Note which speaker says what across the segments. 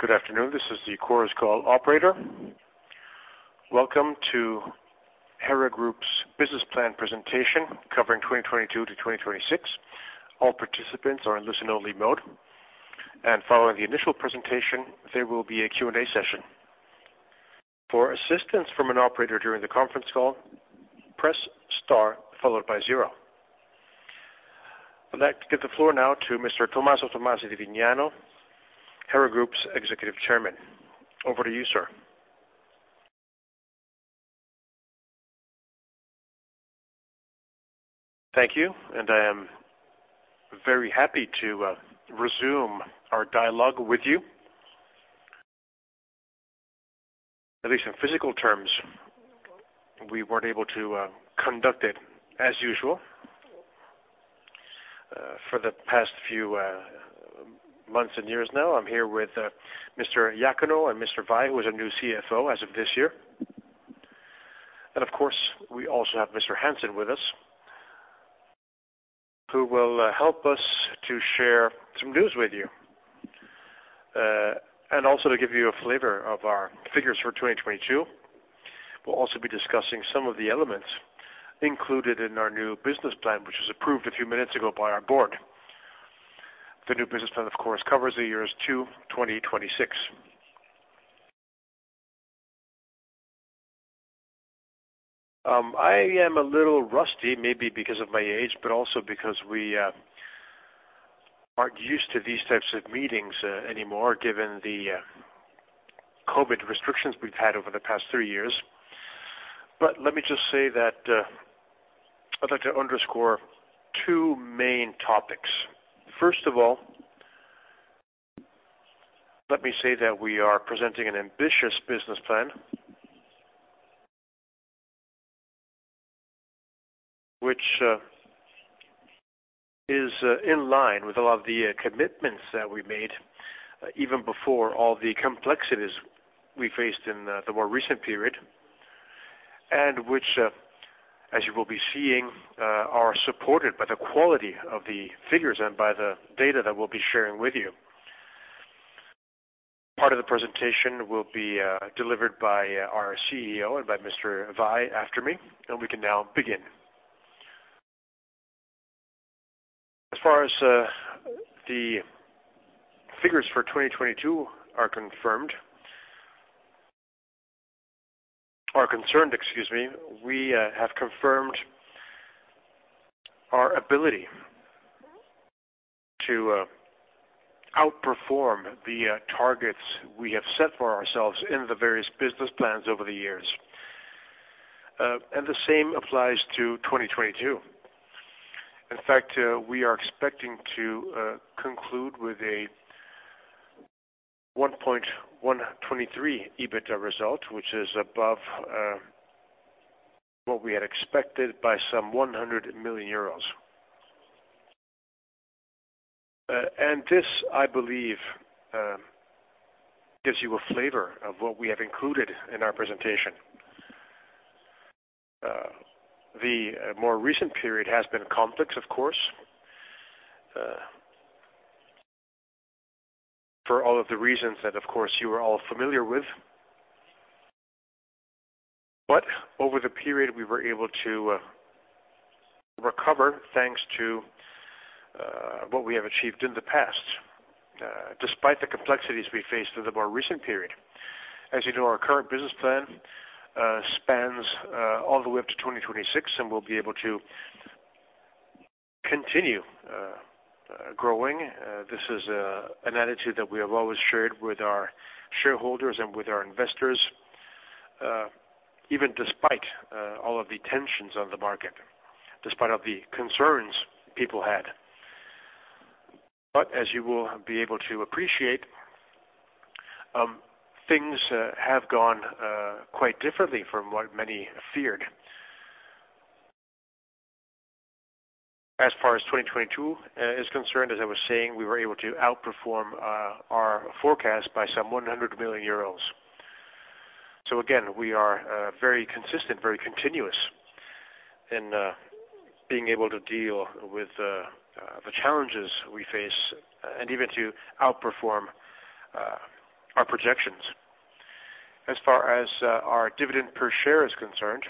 Speaker 1: Good afternoon. This is the Chorus Call operator. Welcome to Hera Group's business plan presentation covering 2022-2026. All participants are in listen only mode, and following the initial presentation, there will be a Q&A session. For assistance from an operator during the conference call, press Star followed by zero. I'd like to give the floor now to Mr. Tomaso Tommasi di Vignano Hera Group's executive chairman. Over to you, sir.
Speaker 2: Thank you. I am very happy to resume our dialogue with you. At least in physical terms, we weren't able to conduct it as usual. For the past few months and years now, I'm here with Mr. Iacono and Mr. Vai, who is our new CFO as of this year. Of course, we also have Mr. Hansen with us, who will help us to share some news with you, and also to give you a flavor of our figures for 2022. We'll also be discussing some of the elements included in our new business plan, which was approved a few minutes ago by our board. The new business plan, of course, covers the years to 2026. I am a little rusty, maybe because of my age, but also because we, aren't used to these types of meetings, anymore, given the COVID restrictions we've had over the past three years. Let me just say that, I'd like to underscore two main topics. First of all, let me say that we are presenting an ambitious business plan, which is in line with a lot of the commitments that we made even before all the complexities we faced in the more recent period. Which, as you will be seeing, are supported by the quality of the figures and by the data that we'll be sharing with you. Part of the presentation will be delivered by our CEO and by Mr. Vai after me, and we can now begin. As far as the figures for 2022 are confirmed. Are concerned, excuse me. We have confirmed our ability to outperform the targets we have set for ourselves in the various business plans over the years. The same applies to 2022. In fact, we are expecting to conclude with a 1.123 EBITDA result, which is above what we had expected by some 100 million euros. This, I believe, gives you a flavor of what we have included in our presentation. The more recent period has been complex, of course, for all of the reasons that of course you are all familiar with. Over the period, we were able to recover thanks to what we have achieved in the past, despite the complexities we faced in the more recent period. As you know, our current business plan spans all the way up to 2026, and we'll be able to continue growing. This is an attitude that we have always shared with our shareholders and with our investors, even despite all of the tensions on the market, despite of the concerns people had. As you will be able to appreciate, things have gone quite differently from what many feared. As far as 2022 is concerned, as I was saying, we were able to outperform our forecast by some 100 million euros. Again, we are very consistent, very continuous in being able to deal with the challenges we face and even to outperform our projections. As far as our dividend per share is concerned.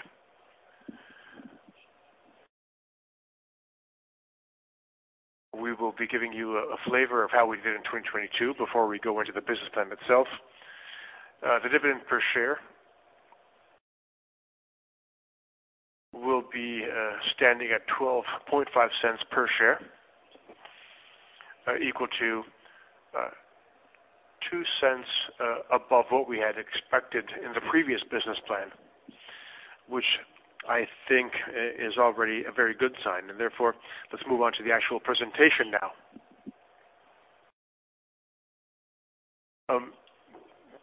Speaker 2: We will be giving you a flavor of how we did in 2022 before we go into the business plan itself. The dividend per share will be standing at 0.125 per share, equal to 0.02 above what we had expected in the previous business plan, which I think is already a very good sign. Therefore, let's move on to the actual presentation now.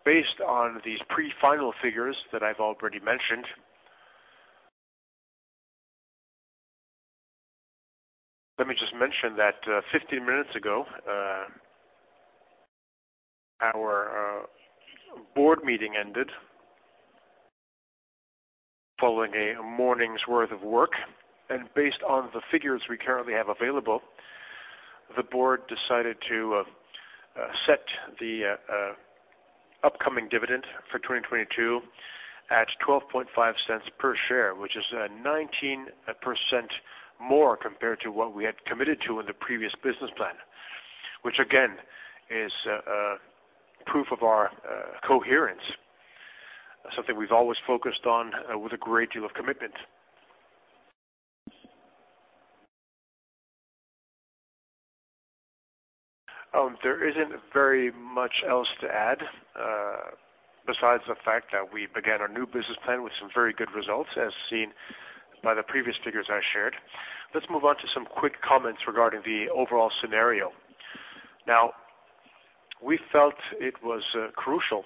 Speaker 2: Based on these pre-final figures that I've already mentioned, let me just mention that 15 minutes ago, our board meeting ended. Following a morning's worth of work and based on the figures we currently have available, the board decided to set the upcoming dividend for 2022 at 0.125 per share, which is 19% more compared to what we had committed to in the previous business plan. Again is proof of our coherence, something we've always focused on with a great deal of commitment. There isn't very much else to add besides the fact that we began our new business plan with some very good results, as seen by the previous figures I shared. Let's move on to some quick comments regarding the overall scenario. We felt it was crucial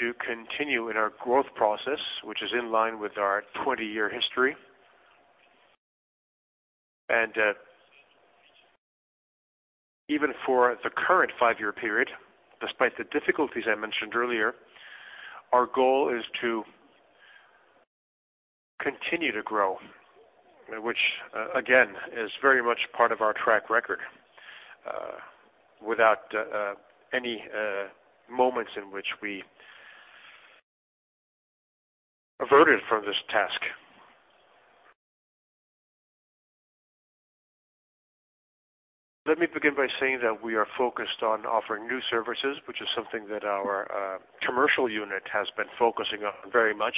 Speaker 2: to continue in our growth process, which is in line with our 20-year history. Even for the current five-year period, despite the difficulties I mentioned earlier, our goal is to continue to grow, which again, is very much part of our track record without any moments in which we averted from this task. Let me begin by saying that we are focused on offering new services, which is something that our commercial unit has been focusing on very much.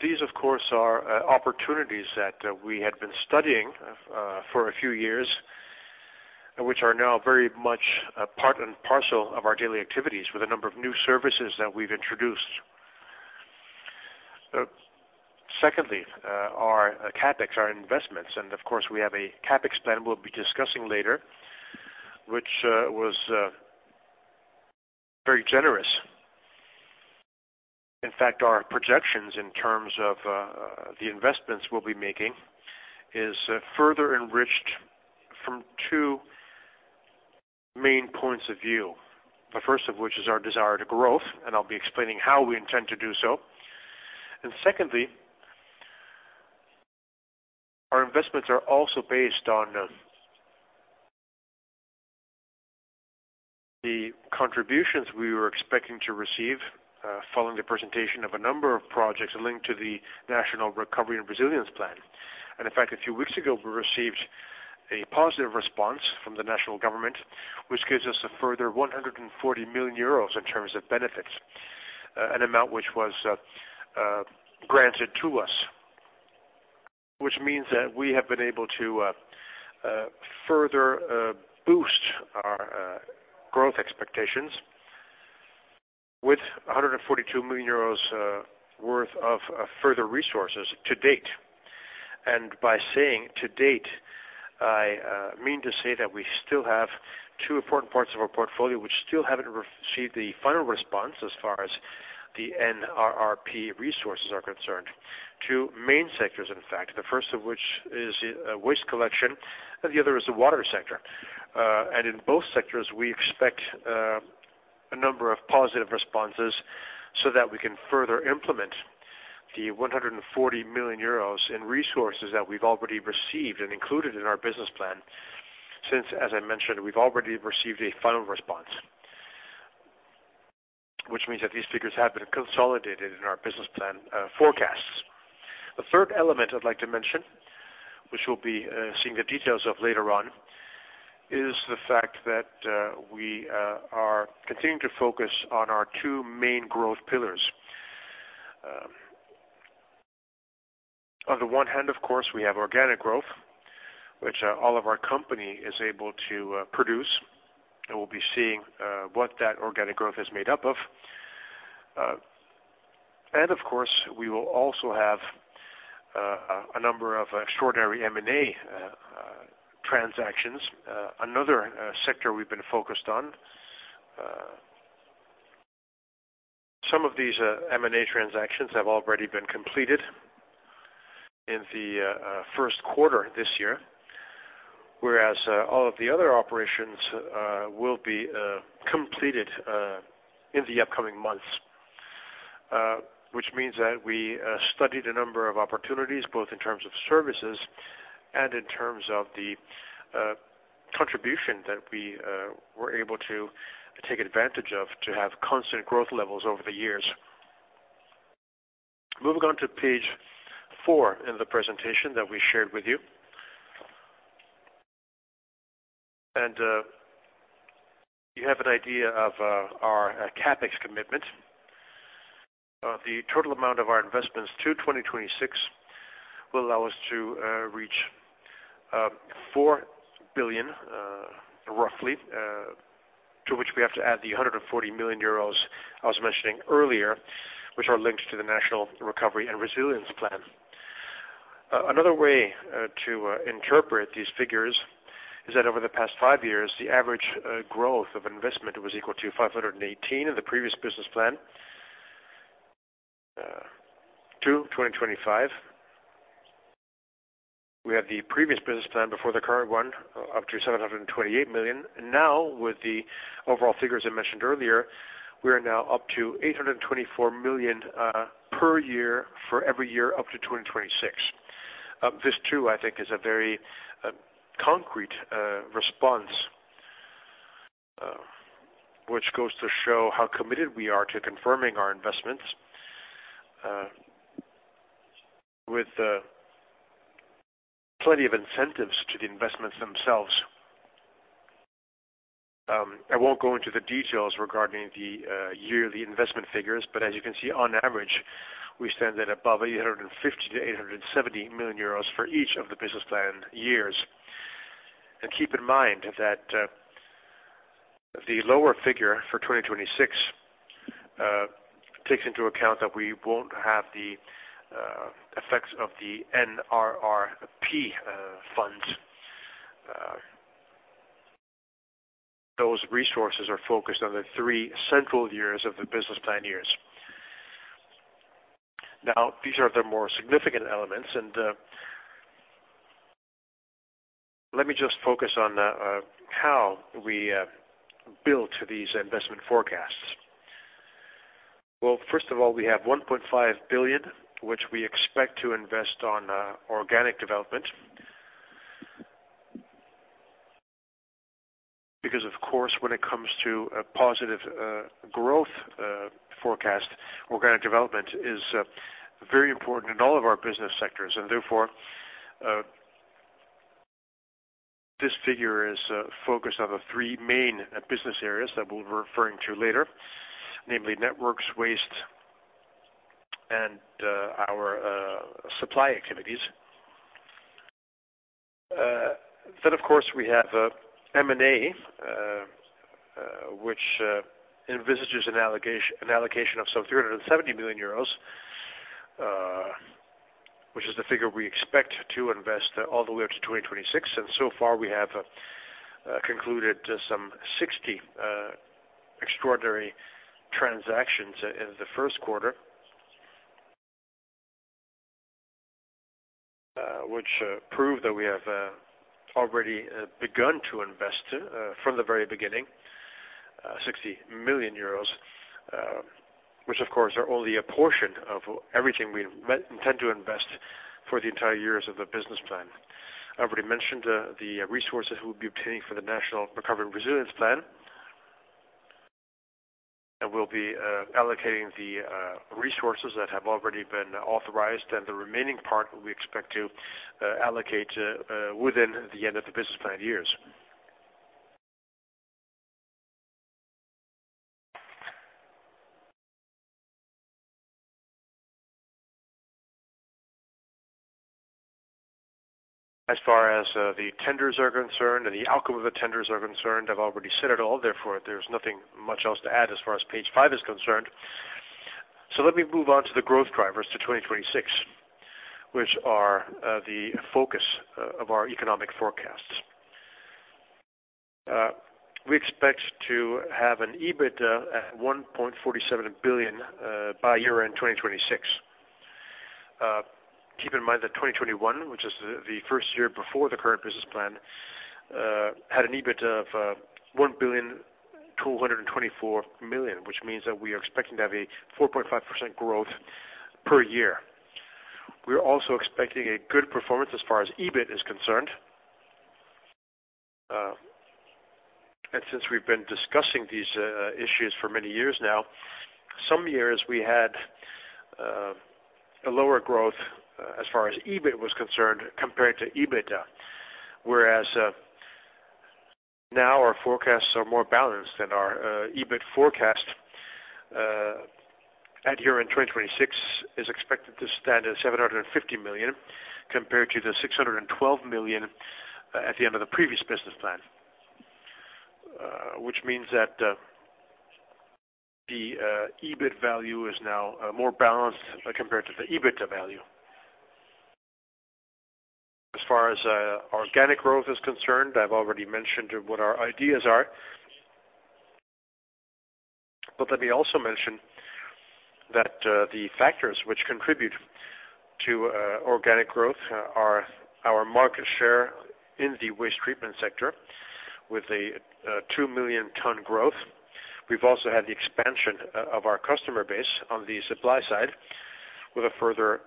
Speaker 2: These, of course, are opportunities that we had been studying for a few years, which are now very much a part and parcel of our daily activities with a number of new services that we've introduced. Secondly, our CapEx, our investments, and of course, we have a CapEx plan we'll be discussing later, which was very generous. In fact, our projections in terms of the investments we'll be making is further enriched from two main points of view. The first of which is our desire to growth, and I'll be explaining how we intend to do so. Secondly, our investments are also based on the contributions we were expecting to receive following the presentation of a number of projects linked to the National Recovery and Resilience Plan. In fact, a few weeks ago, we received a positive response from the national government, which gives us a further 140 million euros in terms of benefits, an amount which was granted to us. Which means that we have been able to further boost our growth expectations with 142 million euros worth of further resources to date. By saying to date, I mean to say that we still have two important parts of our portfolio, which still haven't received the final response as far as the NRRP resources are concerned. Two main sectors, in fact, the first of which is waste collection, and the other is the water sector. In both sectors, we expect a number of positive responses so that we can further implement the 140 million euros in resources that we've already received and included in our business plan. Since, as I mentioned, we've already received a final response, which means that these figures have been consolidated in our business plan forecasts. The third element I'd like to mention, which we'll be seeing the details of later on, is the fact that we are continuing to focus on our two main growth pillars. On the one hand, of course, we have organic growth, which all of our company is able to produce, and we'll be seeing what that organic growth is made up of. Of course, we will also have a number of extraordinary M&A transactions, another sector we've been focused on. Some of these M&A transactions have already been completed in the first quarter this year, whereas all of the other operations will be completed in the upcoming months. We studied a number of opportunities, both in terms of services and in terms of the contribution that we were able to take advantage of to have constant growth levels over the years. Moving on to page four in the presentation that we shared with you. You have an idea of our CapEx commitment. The total amount of our investments to 2026 will allow us to reach 4 billion, roughly, to which we have to add the 140 million euros I was mentioning earlier, which are linked to the National Recovery and Resilience Plan. Another way to interpret these figures is that over the past five years, the average growth of investment was equal to 518 million in the previous business plan. To 2025. We have the previous business plan before the current one, up to 728 million. With the overall figures I mentioned earlier, we are now up to 824 million per year for every year up to 2026. This too, I think is a very concrete response, which goes to show how committed we are to confirming our investments with plenty of incentives to the investments themselves. I won't go into the details regarding the yearly investment figures, but as you can see on average, we stand at above 850 million-870 million euros for each of the business plan years. Keep in mind that the lower figure for 2026 takes into account that we won't have the effects of the NRRP funds. Those resources are focused on the three central years of the business plan years. These are the more significant elements, and let me just focus on how we build to these investment forecasts. Well, first of all, we have 1.5 billion, which we expect to invest on organic development. Because of course, when it comes to a positive growth forecast, organic development is very important in all of our business sectors. Therefore, this figure is focused on the three main business areas that we'll be referring to later. Namely networks, waste, and our supply activities. Of course, we have M&A which envisages an allocation of some 370 million euros, which is the figure we expect to invest all the way up to 2026. So far we have concluded some 60 extraordinary transactions in the first quarter, which prove that we have already begun to invest from the very beginning, 60 million euros, which of course, are only a portion of everything we intend to invest for the entire years of the business plan. I've already mentioned the resources we'll be obtaining for the National Recovery and Resilience Plan, and we'll be allocating the resources that have already been authorized, and the remaining part we expect to allocate within the end of the business plan years. As far as the tenders are concerned and the outcome of the tenders are concerned, I've already said it all. Therefore, there's nothing much else to add as far as page five is concerned. Let me move on to the growth drivers to 2026, which are the focus of our economic forecasts. We expect to have an EBITDA at 1.47 billion by year-end 2026. Keep in mind that 2021, which is the first year before the current business plan, had an EBIT of 1.224 billion, which means that we are expecting to have a 4.5% growth per year. We are also expecting a good performance as far as EBIT is concerned. Since we've been discussing these issues for many years now, some years we had a lower growth as far as EBIT was concerned, compared to EBITDA. Now our forecasts are more balanced and our EBIT forecast at year-end 2026 is expected to stand at 750 million compared to the 612 million at the end of the previous business plan. Which means that the EBIT value is now more balanced compared to the EBITDA value. As far as organic growth is concerned, I've already mentioned what our ideas are. Let me also mention that the factors which contribute to organic growth are our market share in the waste treatment sector with a 2 million ton growth. We've also had the expansion of our customer base on the supply side with a further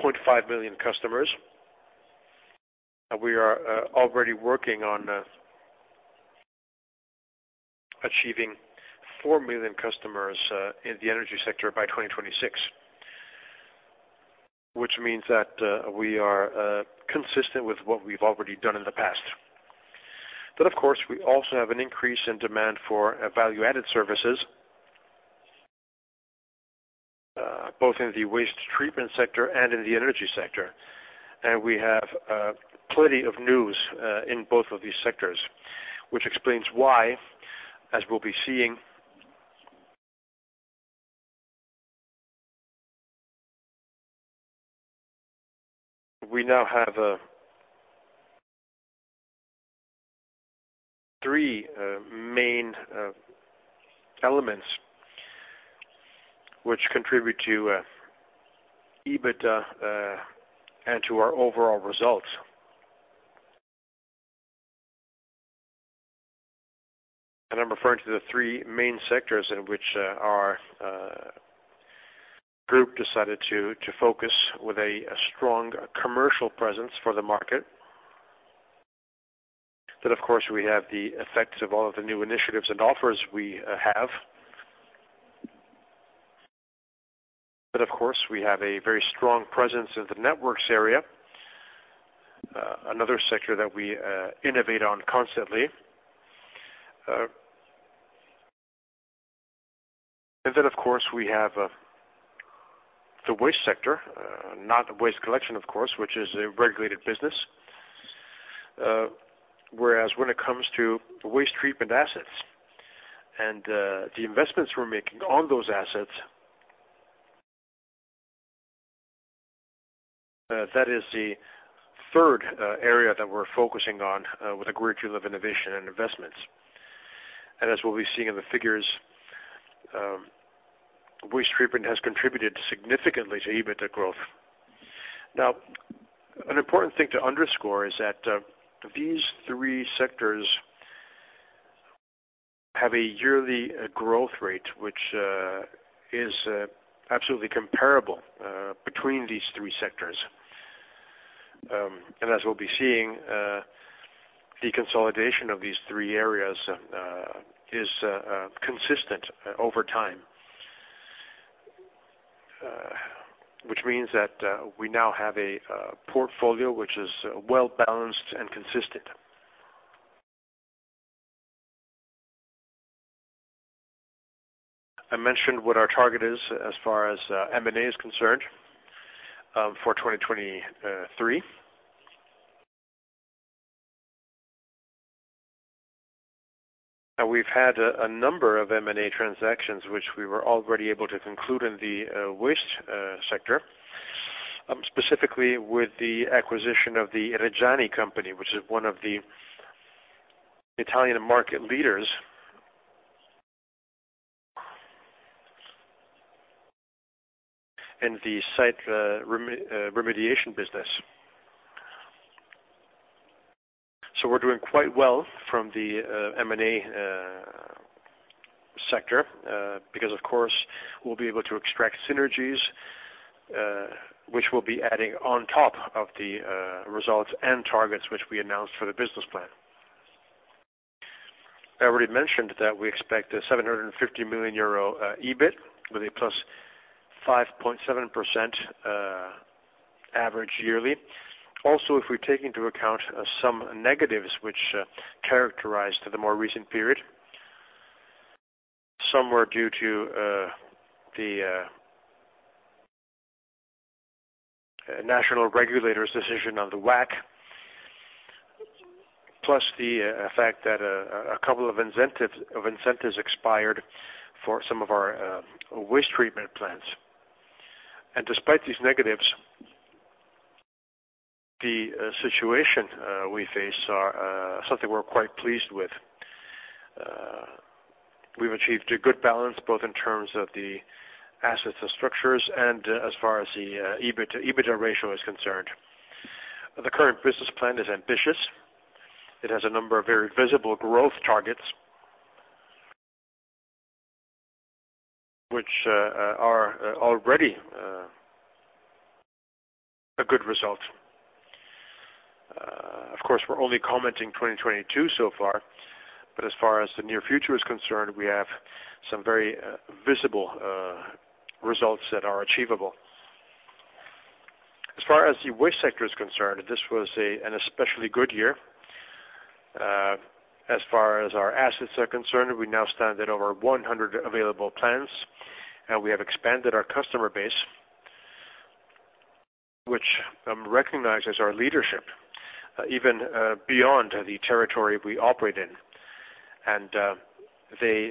Speaker 2: 0.5 million customers. We are already working on achieving 4 million customers in the energy sector by 2026. Which means that we are consistent with what we've already done in the past. Of course, we also have an increase in demand for value-added services, both in the waste treatment sector and in the energy sector. We have plenty of news in both of these sectors, which explains why, as we'll be seeing, we now have Three main elements which contribute to EBITDA and to our overall results. I'm referring to the three main sectors in which our group decided to focus with a strong commercial presence for the market. Of course, we have the effects of all of the new initiatives and offers we have. Of course, we have a very strong presence in the networks area, another sector that we innovate on constantly. Of course, we have the waste sector, not the waste collection of course, which is a regulated business. Whereas when it comes to waste treatment assets and the investments we're making on those assets, that is the third area that we're focusing on with a great deal of innovation and investments. As we'll be seeing in the figures, waste treatment has contributed significantly to EBITDA growth. Now, an important thing to underscore is that these three sectors have a yearly growth rate, which is absolutely comparable between these three sectors. As we'll be seeing, the consolidation of these three areas is consistent over time. Which means that we now have a portfolio which is well-balanced and consistent. I mentioned what our target is as far as M&A is concerned for 2023. We've had a number of M&A transactions, which we were already able to conclude in the waste sector, specifically with the acquisition of the Reggiani company, which is one of the Italian market leaders. The site remediation business. We're doing quite well from the M&A sector because of course, we'll be able to extract synergies, which we'll be adding on top of the results and targets which we announced for the business plan. I already mentioned that we expect a 750 million euro EBIT with a +5.7% average yearly. Also, if we take into account some negatives which characterized the more recent period. Some were due to the national regulator's decision on the WACC, plus the fact that a couple of incentives expired for some of our waste treatment plants. Despite these negatives, the situation we face are something we're quite pleased with. We've achieved a good balance both in terms of the assets and structures and as far as the EBITDA ratio is concerned. The current business plan is ambitious. It has a number of very visible growth targets. Are already a good result. Of course, we're only commenting 2022 so far, but as far as the near future is concerned, we have some very visible results that are achievable. As far as the waste sector is concerned, this was an especially good year. As far as our assets are concerned, we now stand at over 100 available plants. We have expanded our customer base which recognizes our leadership even beyond the territory we operate in. They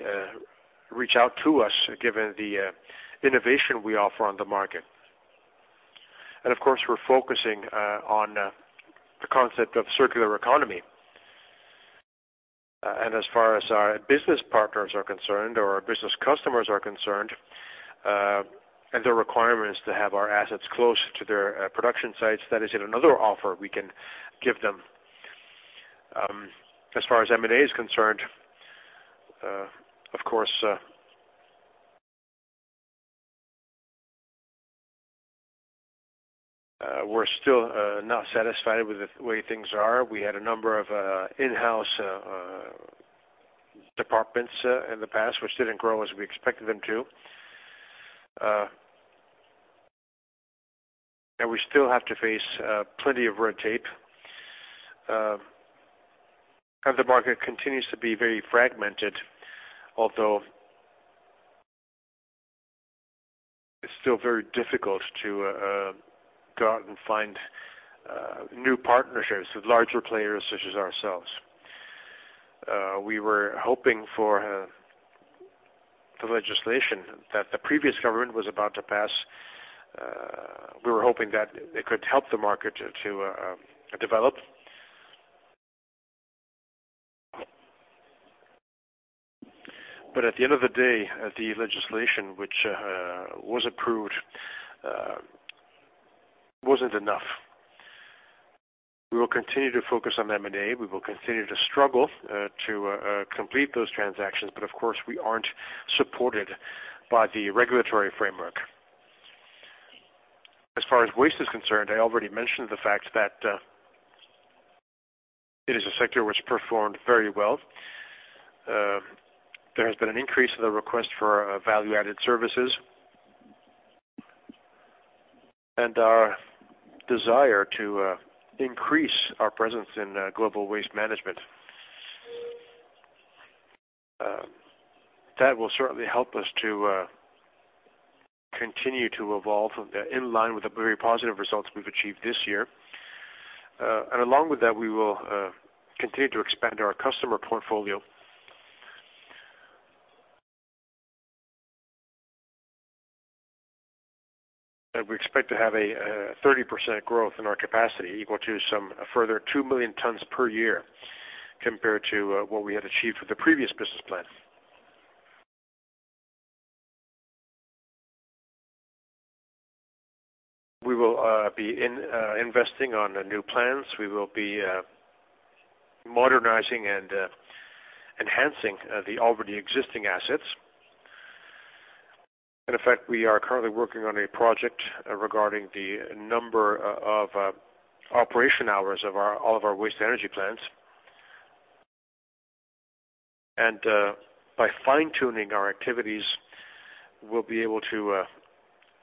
Speaker 2: reach out to us given the innovation we offer on the market. Of course, we're focusing on the concept of circular economy. As far as our business partners are concerned or our business customers are concerned, their requirements to have our assets close to their production sites, that is yet another offer we can give them. As far as M&A is concerned, of course, we're still not satisfied with the way things are. We had a number of in-house departments in the past, which didn't grow as we expected them to. We still have to face plenty of red tape. The market continues to be very fragmented. It's still very difficult to go out and find new partnerships with larger players such as ourselves. We were hoping for the legislation that the previous government was about to pass, we were hoping that it could help the market to develop. At the end of the day, the legislation which was approved wasn't enough. We will continue to focus on M&A. We will continue to struggle to complete those transactions. Of course we aren't supported by the regulatory framework. As far as waste is concerned, I already mentioned the fact that it is a sector which performed very well. There has been an increase in the request for value-added services. Our desire to increase our presence in global waste management. That will certainly help us to continue to evolve in line with the very positive results we've achieved this year. Along with that, we will continue to expand our customer portfolio. We expect to have a 30% growth in our capacity, equal to some further 2 million tons per year compared to what we had achieved with the previous business plan. We will be investing on the new plans. We will be modernizing and enhancing the already existing assets. In fact, we are currently working on a project regarding the number of operation hours of all of our waste energy plants. By fine-tuning our activities, we'll be able to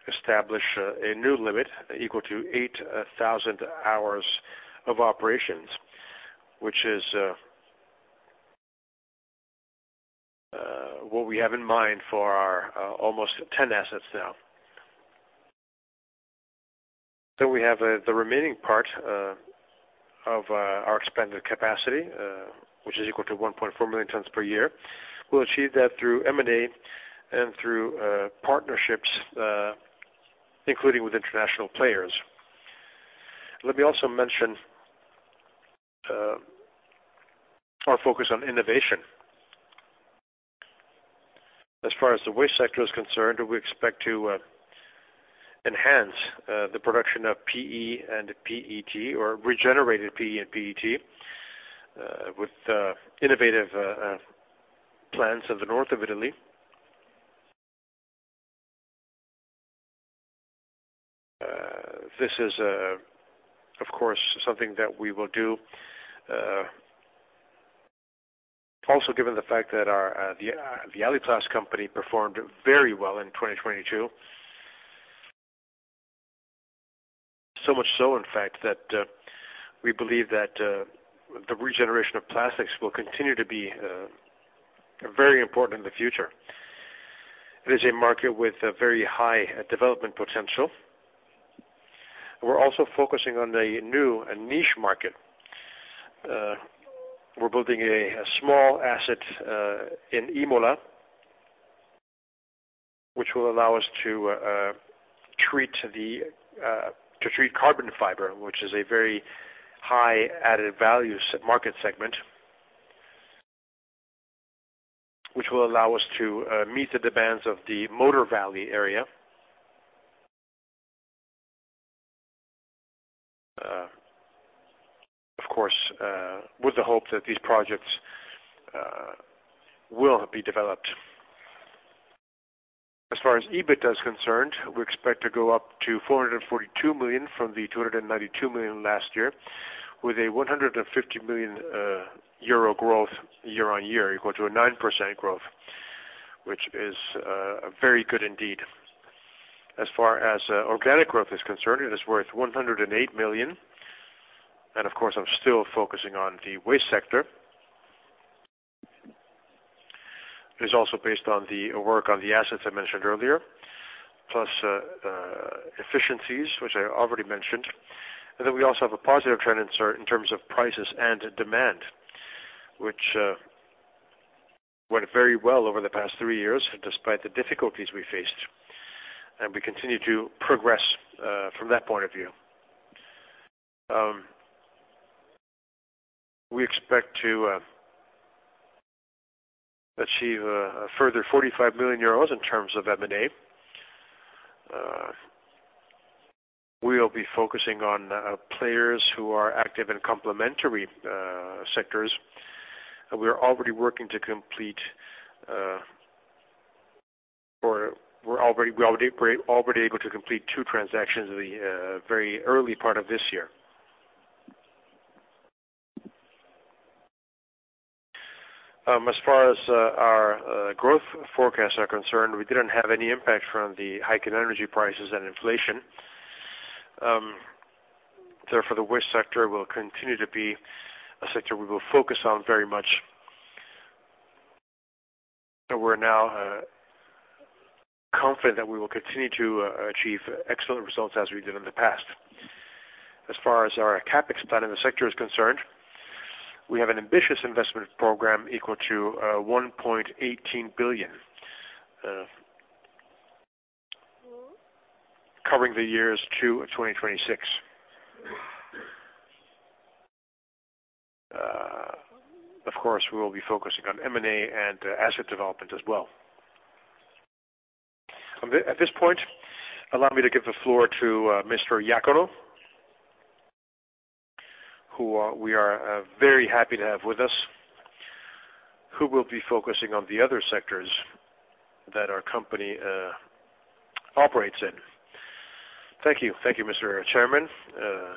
Speaker 2: establish a new limit equal to 8,000 hours of operations, which is what we have in mind for our almost 10 assets now. We have the remaining part of our expanded capacity, which is equal to 1.4 million tons per year. We'll achieve that through M&A and through partnerships, including with international players. Let me also mention our focus on innovation. As far as the waste sector is concerned, we expect to enhance the production of PE and PET or regenerated PE and PET, with innovative plants in the North of Italy. This is of course something that we will do also given the fact that our the Aliplast company performed very well in 2022. So much so in fact that we believe that the regeneration of plastics will continue to be very important in the future. It is a market with a very high development potential. We're also focusing on a new and niche market. We're building a small asset in Imola, which will allow us to treat carbon fiber, which is a very high added value market segment. Which will allow us to meet the demands of the Motor Valley area. Of course, with the hope that these projects will be developed. As far as EBITDA is concerned, we expect to go up to 442 million from the 292 million last year, with a 150 million euro growth year-on-year, equal to a 9% growth, which is very good indeed. As far as organic growth is concerned, it is worth 108 million. Of course, I'm still focusing on the waste sector. It is also based on the work on the assets I mentioned earlier, plus efficiencies, which I already mentioned. We also have a positive trend in terms of prices and demand, which went very well over the past three years, despite the difficulties we faced, and we continue to progress from that point of view. We expect to achieve a further 45 million euros in terms of M&A. We'll be focusing on players who are active in complementary sectors. We are already working to complete, or we're already able to complete two transactions in the very early part of this year. As far as our growth forecasts are concerned, we didn't have any impact from the hike in energy prices and inflation. The waste sector will continue to be a sector we will focus on very much. We're now confident that we will continue to achieve excellent results as we did in the past. As far as our CapEx plan in the sector is concerned, we have an ambitious investment program equal to 1.18 billion covering the years to 2026. Of course, we will be focusing on M&A and asset development as well. At this point, allow me to give the floor to Mr. Iacono, who we are very happy to have with us, who will be focusing on the other sectors that our company operates in. Thank you.
Speaker 3: Thank you, Mr. Chairman.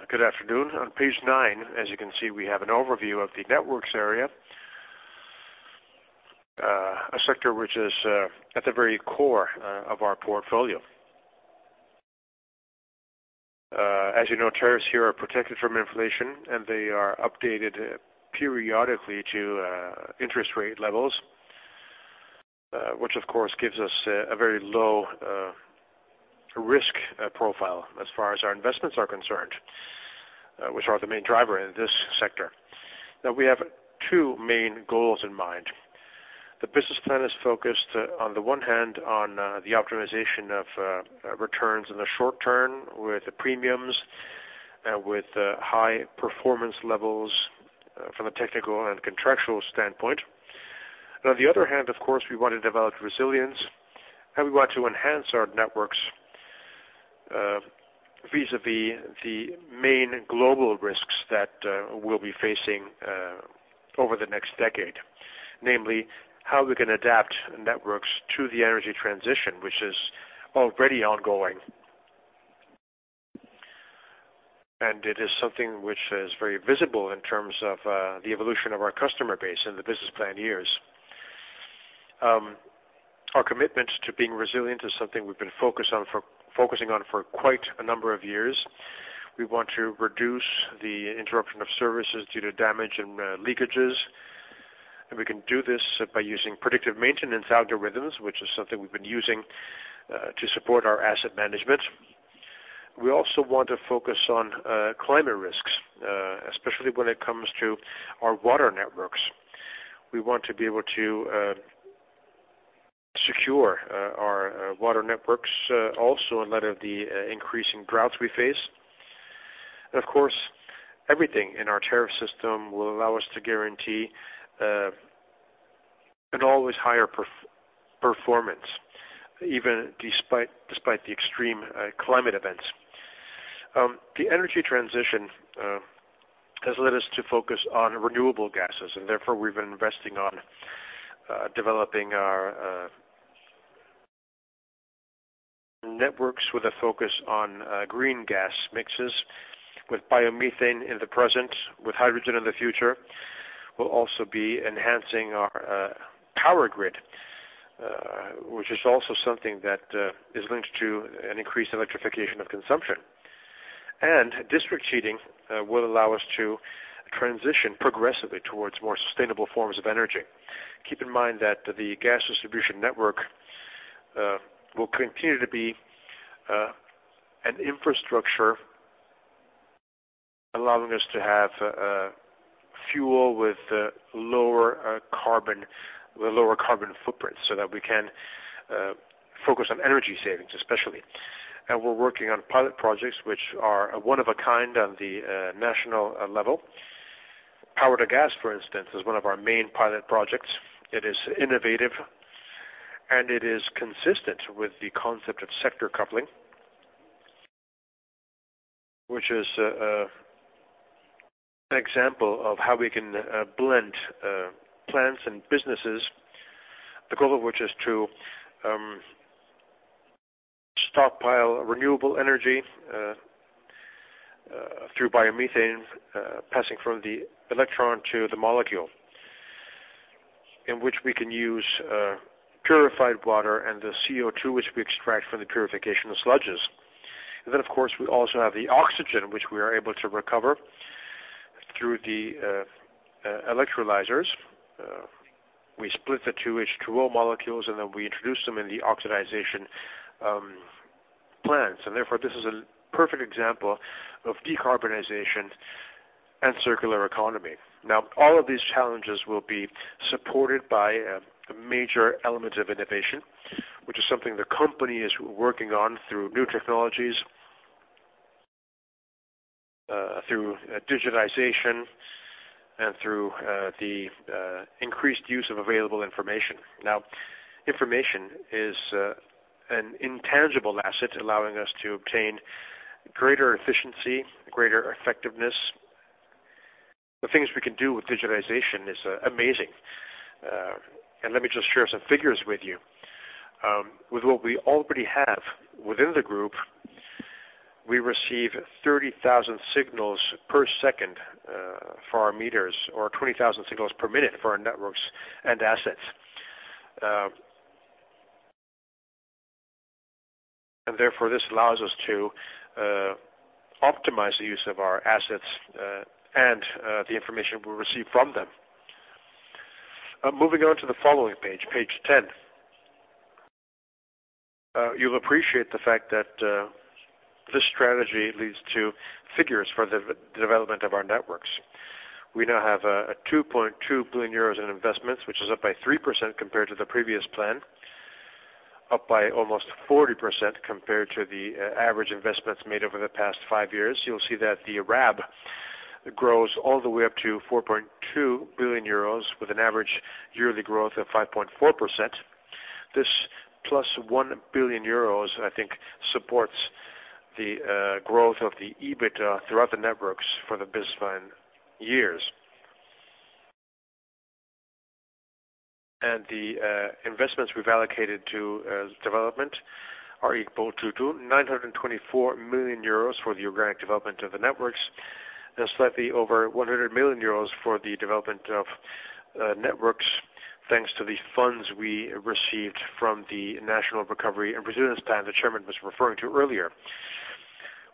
Speaker 3: Good afternoon. On page nine, as you can see, we have an overview of the networks area, a sector which is at the very core of our portfolio. As you know, tariffs here are protected from inflation, and they are updated periodically to interest rate levels, which of course gives us a very low risk profile as far as our investments are concerned, which are the main driver in this sector. We have two main goals in mind. The business plan is focused on the one hand on the optimization of returns in the short term with premiums, with high performance levels from a technical and contractual standpoint. On the other hand, of course, we want to develop resilience, and we want to enhance our networks vis-à-vis the main global risks that we'll be facing over the next decade, namely how we can adapt networks to the energy transition, which is already ongoing. It is something which is very visible in terms of the evolution of our customer base in the business plan years. Our commitment to being resilient is something we've been focusing on for quite a number of years. We want to reduce the interruption of services due to damage and leakages. We can do this by using predictive maintenance algorithms, which is something we've been using to support our asset management. We also want to focus on climate risks, especially when it comes to our water networks. We want to be able to secure our water networks also in light of the increasing droughts we face. Of course, everything in our tariff system will allow us to guarantee an always higher performance, even despite the extreme climate events. The energy transition has led us to focus on renewable gases, and therefore, we've been investing on developing our networks with a focus on green gas mixes with biomethane in the present, with hydrogen in the future. We'll also be enhancing our power grid, which is also something that is linked to an increased electrification of consumption. District heating will allow us to transition progressively towards more sustainable forms of energy. Keep in mind that the gas distribution network will continue to be an infrastructure allowing us to have fuel with lower carbon footprint so that we can focus on energy savings, especially. We're working on pilot projects, which are one of a kind on the national level. Power-to-gas, for instance, is one of our main pilot projects. It is innovative, and it is consistent with the concept of sector coupling, which is an example of how we can blend plants and businesses, the goal of which is to stockpile renewable energy through biomethane, passing from the electron to the molecule, in which we can use purified water and the CO2 which we extract from the purification of sludges. Then, of course, we also have the oxygen, which we are able to recover through the electrolyzers. We split the two H2O molecules, and then we introduce them in the oxidization plants. Therefore, this is a perfect example of decarbonization and circular economy. All of these challenges will be supported by a major element of innovation, which is something the company is working on through new technologies, through digitization and through the increased use of available information. Information is an intangible asset allowing us to obtain greater efficiency, greater effectiveness. The things we can do with digitization is amazing. Let me just share some figures with you. With what we already have within the group, we receive 30,000 signals per second for our meters or 20,000 signals per minute for our networks and assets. Therefore, this allows us to optimize the use of our assets and the information we receive from them. Moving on to the following page 10. You'll appreciate the fact that this strategy leads to figures for the de-development of our networks. We now have 2.2 billion euros in investments, which is up by 3% compared to the previous plan, up by almost 40% compared to the average investments made over the past five years. You'll see that the RAB grows all the way up to 4.2 billion euros with an average yearly growth of 5.4%. This plus 1 billion euros, I think, supports the growth of the EBITDA throughout the networks for the business plan years. The investments we've allocated to development are equal to 924 million euros for the organic development of the networks, and slightly over 100 million euros for the development of networks, thanks to the funds we received from the National Recovery and Resilience Plan the chairman was referring to earlier.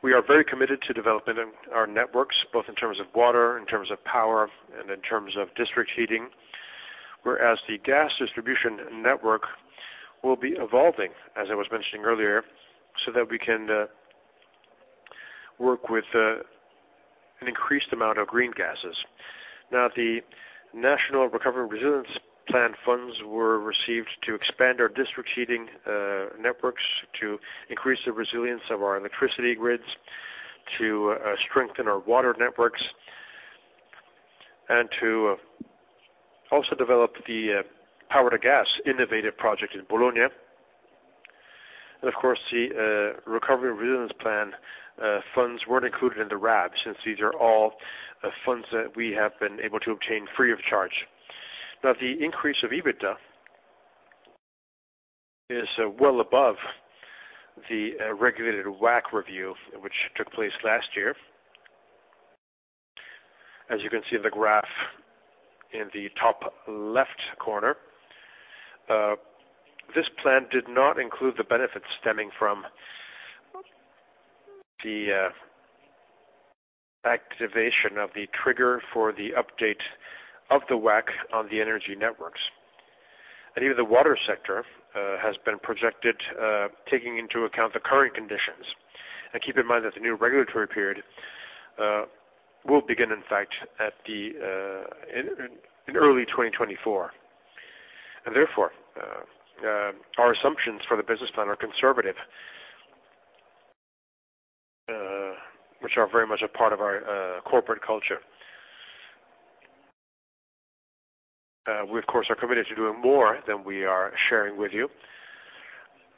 Speaker 3: We are very committed to developing our networks, both in terms of water, in terms of power, and in terms of district heating. Whereas the gas distribution network will be evolving, as I was mentioning earlier, so that we can work with an increased amount of green gases. Now, the National Recovery and Resilience Plan funds were received to expand our district heating networks, to increase the resilience of our electricity grids, to strengthen our water networks, and to also develop the power-to-gas innovative project in Bologna. Of course, the Recovery and Resilience Plan funds weren't included in the RAB, since these are all funds that we have been able to obtain free of charge. Now, the increase of EBITDA is well above the regulated WACC review, which took place last year. As you can see in the graph in the top left corner, this plan did not include the benefits stemming from the activation of the trigger for the update of the WACC on the energy networks. Even the water sector has been projected, taking into account the current conditions. Keep in mind that the new regulatory period will begin, in fact, in early 2024. Therefore, our assumptions for the business plan are conservative, which are very much a part of our corporate culture. We, of course, are committed to doing more than we are sharing with you.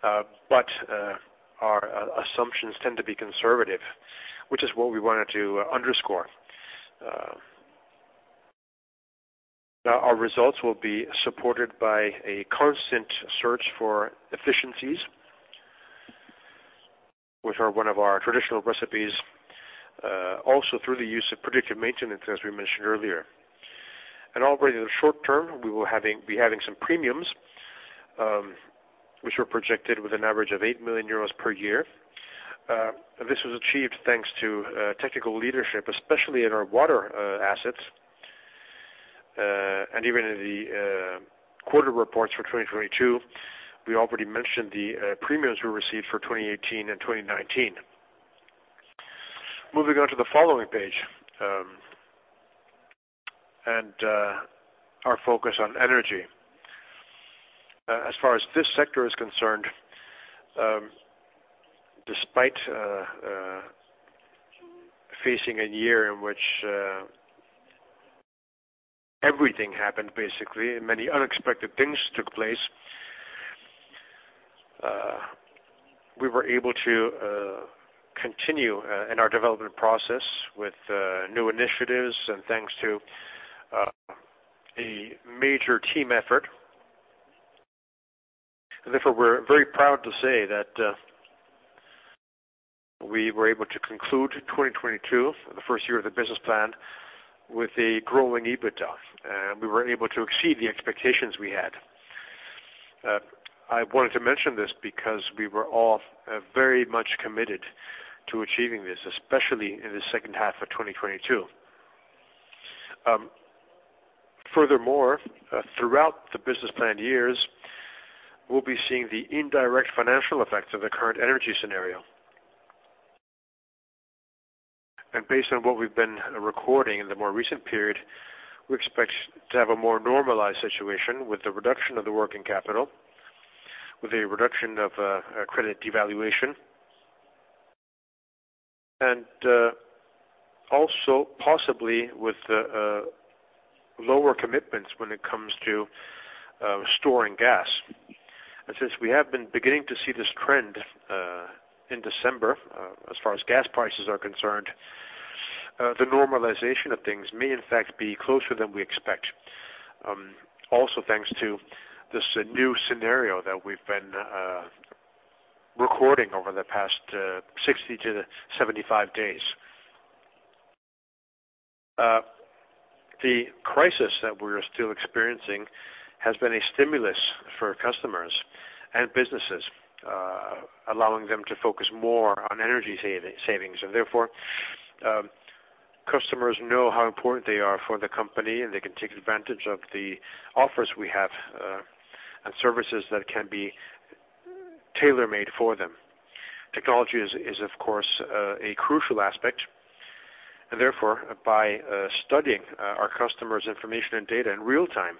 Speaker 3: Our assumptions tend to be conservative, which is what we wanted to underscore. Now our results will be supported by a constant search for efficiencies, which are one of our traditional recipes, also through the use of predictive maintenance, as we mentioned earlier. Already in the short term, we will be having some premiums, which were projected with an average of 8 million euros per year. This was achieved thanks to technical leadership, especially in our water assets. Even in the quarter reports for 2022, we already mentioned the premiums we received for 2018 and 2019. Moving on to the following page, our focus on energy. As far as this sector is concerned, despite facing a year in which everything happened, basically, many unexpected things took place, we were able to continue in our development process with new initiatives and thanks to a major team effort. Therefore, we're very proud to say that we were able to conclude 2022, the first year of the business plan, with a growing EBITDA, and we were able to exceed the expectations we had. I wanted to mention this because we were all very much committed to achieving this, especially in the second half of 2022. Furthermore, throughout the business plan years, we'll be seeing the indirect financial effects of the current energy scenario. And based on what we've been recording in the more recent period, we expect to have a more normalized situation with the reduction of the working capital, with a reduction of credit devaluation, and also possibly with lower commitments when it comes to storing gas. And since we have been beginning to see this trend in December, as far as gas prices are concerned, the normalization of things may in fact be closer than we expect. Also thanks to this new scenario that we've been recording over the past 60-75 days. The crisis that we're still experiencing has been a stimulus for customers and businesses, allowing them to focus more on energy savings. Therefore, customers know how important they are for the company, and they can take advantage of the offers we have and services that can be tailor-made for them. Technology is, of course, a crucial aspect, and therefore, by studying our customers' information and data in real time,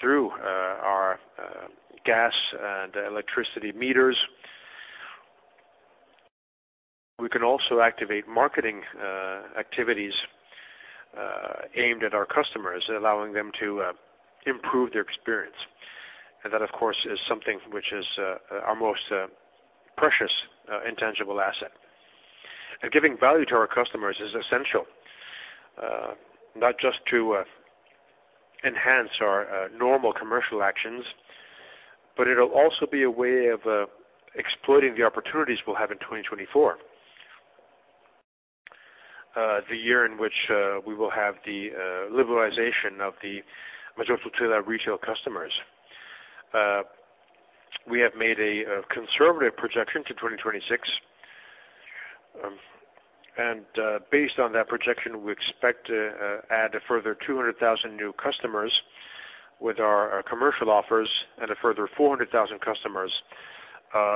Speaker 3: through our gas and electricity meters. We can also activate marketing activities aimed at our customers, allowing them to improve their experience. That, of course, is something which is our most precious intangible asset. Giving value to our customers is essential, not just to enhance our normal commercial actions, but it'll also be a way of exploiting the opportunities we'll have in 2024. The year in which we will have the liberalization of the majority of retail customers. We have made a conservative projection to 2026. Based on that projection, we expect to add a further 200,000 new customers with our commercial offers and a further 400,000 customers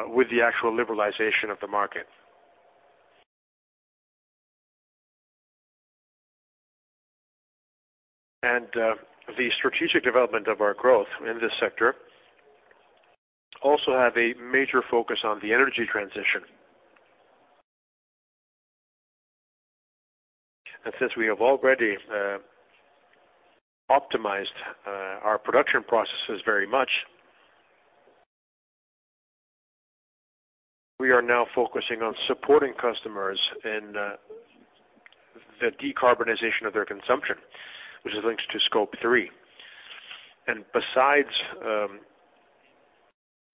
Speaker 3: with the actual liberalization of the market. The strategic development of our growth in this sector also have a major focus on the energy transition. Since we have already optimized our production processes very much. We are now focusing on supporting customers in the decarbonization of their consumption, which is linked to Scope three. Besides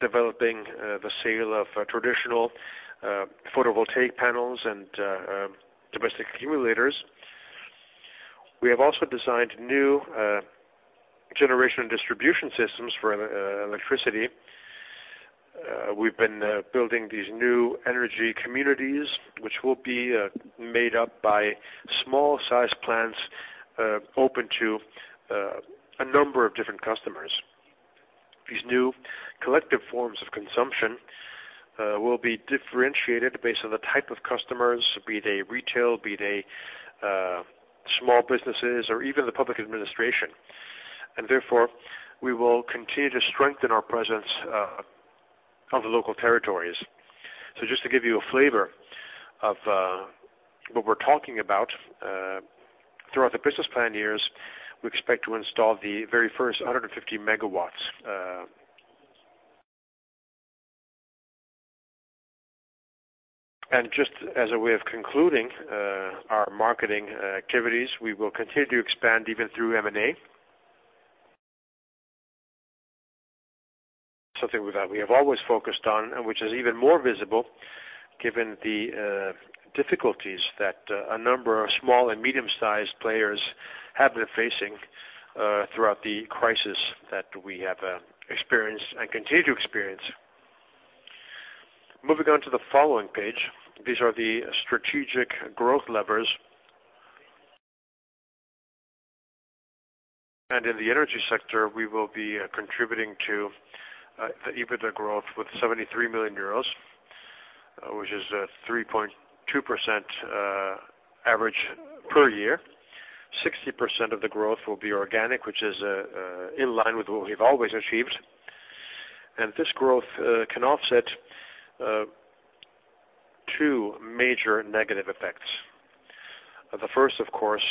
Speaker 3: developing the sale of traditional photovoltaic panels and domestic accumulators, we have also designed new generation and distribution systems for electricity. We've been building these new energy communities which will be made up by small-sized plants, open to a number of different customers. These new collective forms of consumption will be differentiated based on the type of customers, be they retail, be they small businesses or even the public administration. Therefore, we will continue to strengthen our presence on the local territories. Just to give you a flavor of what we're talking about throughout the business plan years, we expect to install the very first 150 megawatts. Just as a way of concluding, our marketing activities, we will continue to expand even through M&A. Something that we have always focused on, and which is even more visible given the difficulties that a number of small and medium-sized players have been facing throughout the crisis that we have experienced and continue to experience. Moving on to the following page. These are the strategic growth levers. In the energy sector, we will be contributing to the EBITDA growth with 73 million euros, which is a 3.2% average per year. 60% of the growth will be organic, which is in line with what we've always achieved. This growth can offset two major negative effects. The first, of course,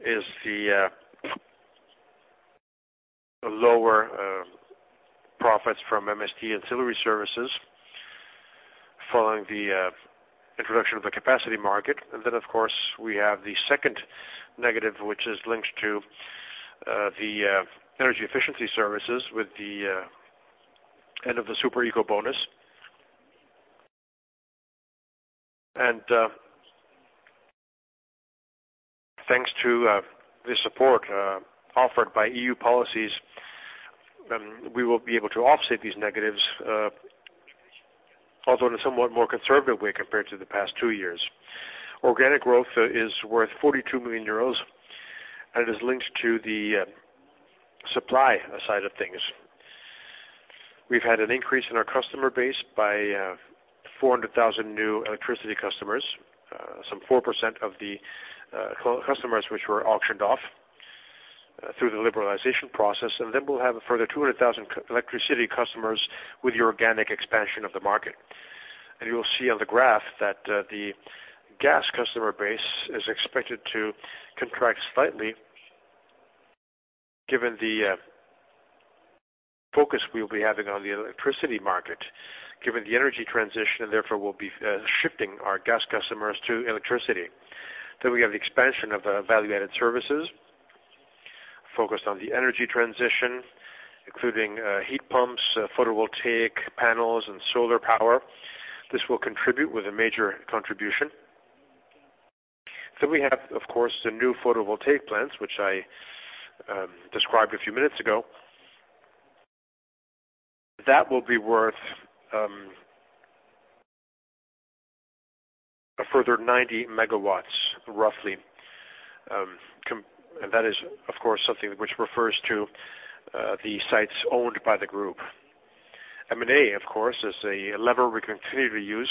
Speaker 3: is the lower profits from MSD ancillary services following the introduction of the capacity market. Of course, we have the second negative, which is linked to the energy efficiency services with the end of the Superbonus. Thanks to the support offered by EU policies, we will be able to offset these negatives, although in a somewhat more conservative way compared to the past two years. Organic growth is worth 42 million euros and is linked to the supply side of things. We've had an increase in our customer base by 400,000 new electricity customers, some 4% of the customers which were auctioned off through the liberalization process. We'll have a further 200,000 electricity customers with the organic expansion of the market. You'll see on the graph that the gas customer base is expected to contract slightly given the focus we will be having on the electricity market, given the energy transition, and therefore will be shifting our gas customers to electricity. We have the expansion of value-added services focused on the energy transition, including heat pumps, photovoltaic panels, and solar power. This will contribute with a major contribution. We have, of course, the new photovoltaic plants, which I described a few minutes ago. That will be worth a further 90 MW, roughly. That is, of course, something which refers to the sites owned by the group. M&A, of course, is a lever we continue to use.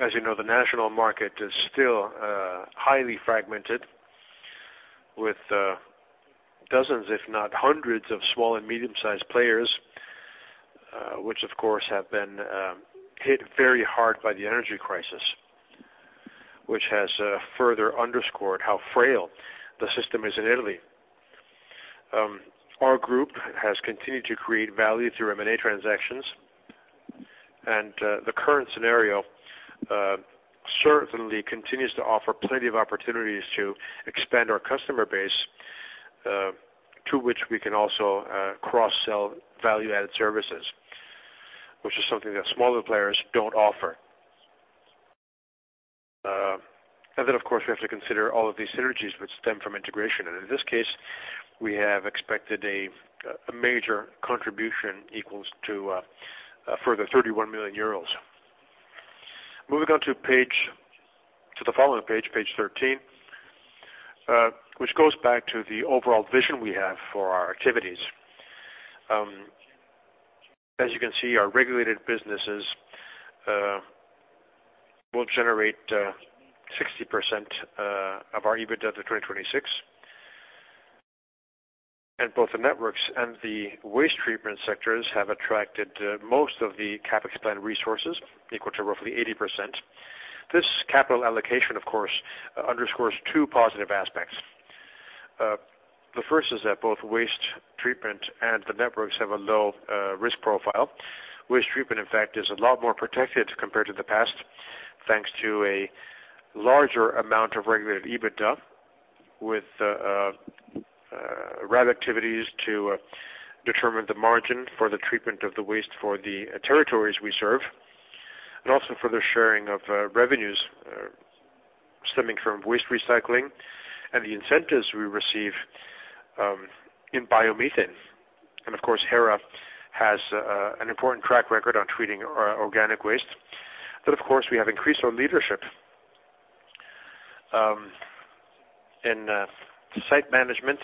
Speaker 3: As you know, the national market is still highly fragmented with dozens, if not hundreds of small and medium-sized players, which of course have been hit very hard by the energy crisis, which has further underscored how frail the system is in Italy. Our group has continued to create value through M&A transactions. The current scenario certainly continues to offer plenty of opportunities to expand our customer base, to which we can also cross-sell value-added services, which is something that smaller players don't offer. Then, of course, we have to consider all of these synergies which stem from integration. In this case, we have expected a major contribution equals to further 31 million euros. Moving on to page... to the following page 13, which goes back to the overall vision we have for our activities. As you can see, our regulated businesses will generate 60% of our EBITDA through 2026. Both the networks and the waste treatment sectors have attracted most of the CapEx plan resources, equal to roughly 80%. This capital allocation, of course, underscores two positive aspects. The first is that both waste treatment and the networks have a low risk profile. Waste treatment, in fact, is a lot more protected compared to the past, thanks to a larger amount of regulated EBITDA with RAD activities to determine the margin for the treatment of the waste for the territories we serve, and also for the sharing of revenues stemming from waste recycling and the incentives we receive in biomethane. Of course, Hera has an important track record on treating organic waste. Of course, we have increased our leadership in site management.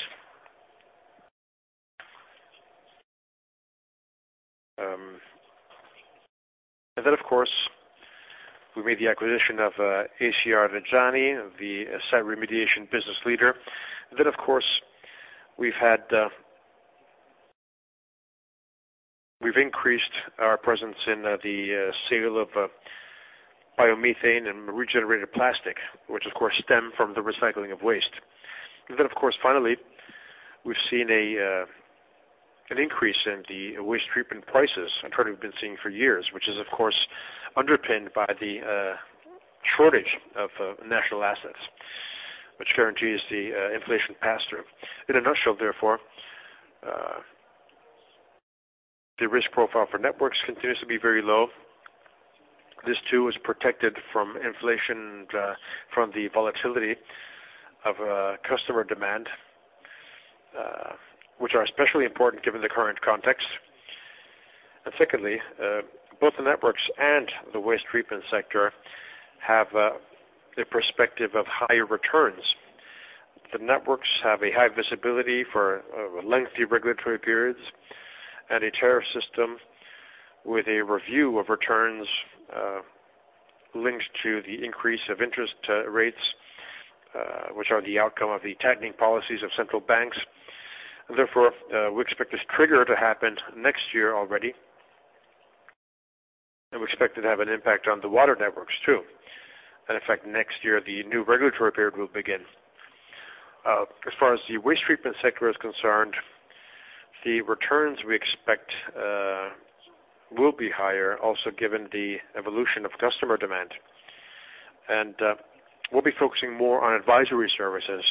Speaker 3: Of course, we made the acquisition of ACR Reggiani, the site remediation business leader. Of course, we've increased our presence in the sale of biomethane and regenerated plastic, which of course stem from the recycling of waste. Then, of course, finally, we've seen an increase in the waste treatment prices and what we've been seeing for years, which is of course underpinned by the shortage of national assets, which guarantees the inflation pass-through. In a nutshell, therefore, the risk profile for networks continues to be very low. This too is protected from inflation, from the volatility of customer demand, which are especially important given the current context. Secondly, both the networks and the waste treatment sector have the perspective of higher returns. The networks have a high visibility for lengthy regulatory periods and a tariff system with a review of returns linked to the increase of interest rates, which are the outcome of the tightening policies of central banks. Therefore, we expect this trigger to happen next year already, and we expect it to have an impact on the water networks too. In fact, next year, the new regulatory period will begin. As far as the waste treatment sector is concerned, the returns we expect will be higher also given the evolution of customer demand. We'll be focusing more on advisory services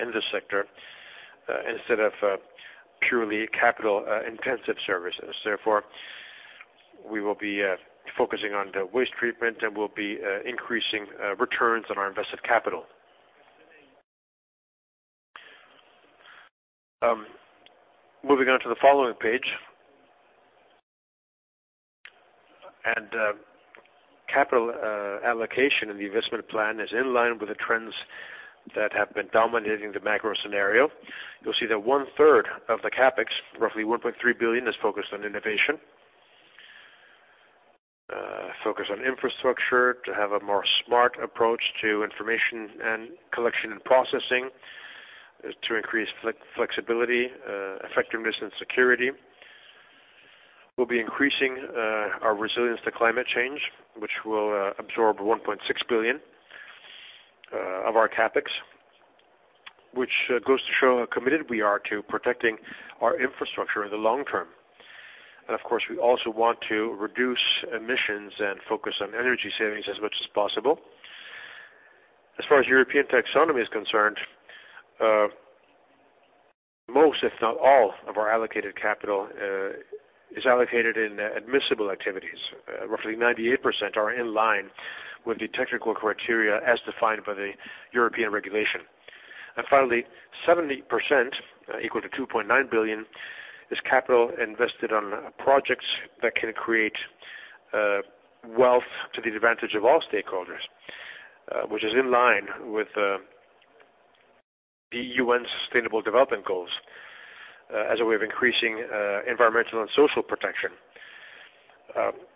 Speaker 3: in this sector instead of purely capital intensive services. Therefore, we will be focusing on the waste treatment, and we'll be increasing returns on our invested capital. Moving on to the following page. Capital allocation in the investment plan is in line with the trends that have been dominating the macro scenario. You'll see that 1/3 of the CapEx, roughly 1.3 billion, is focused on innovation, focused on infrastructure to have a more smart approach to information and collection and processing, to increase flexibility, effectiveness and security. We'll be increasing our resilience to climate change, which will absorb 1.6 billion of our CapEx, which goes to show how committed we are to protecting our infrastructure in the long term. Of course, we also want to reduce emissions and focus on energy savings as much as possible. As far as European taxonomy is concerned, most, if not all, of our allocated capital, is allocated in admissible activities. Roughly 98% are in line with the technical criteria as defined by the European regulation. Finally, 70%, equal to 2.9 billion, is capital invested on projects that can create wealth to the advantage of all stakeholders, which is in line with the UN Sustainable Development Goals, as a way of increasing environmental and social protection.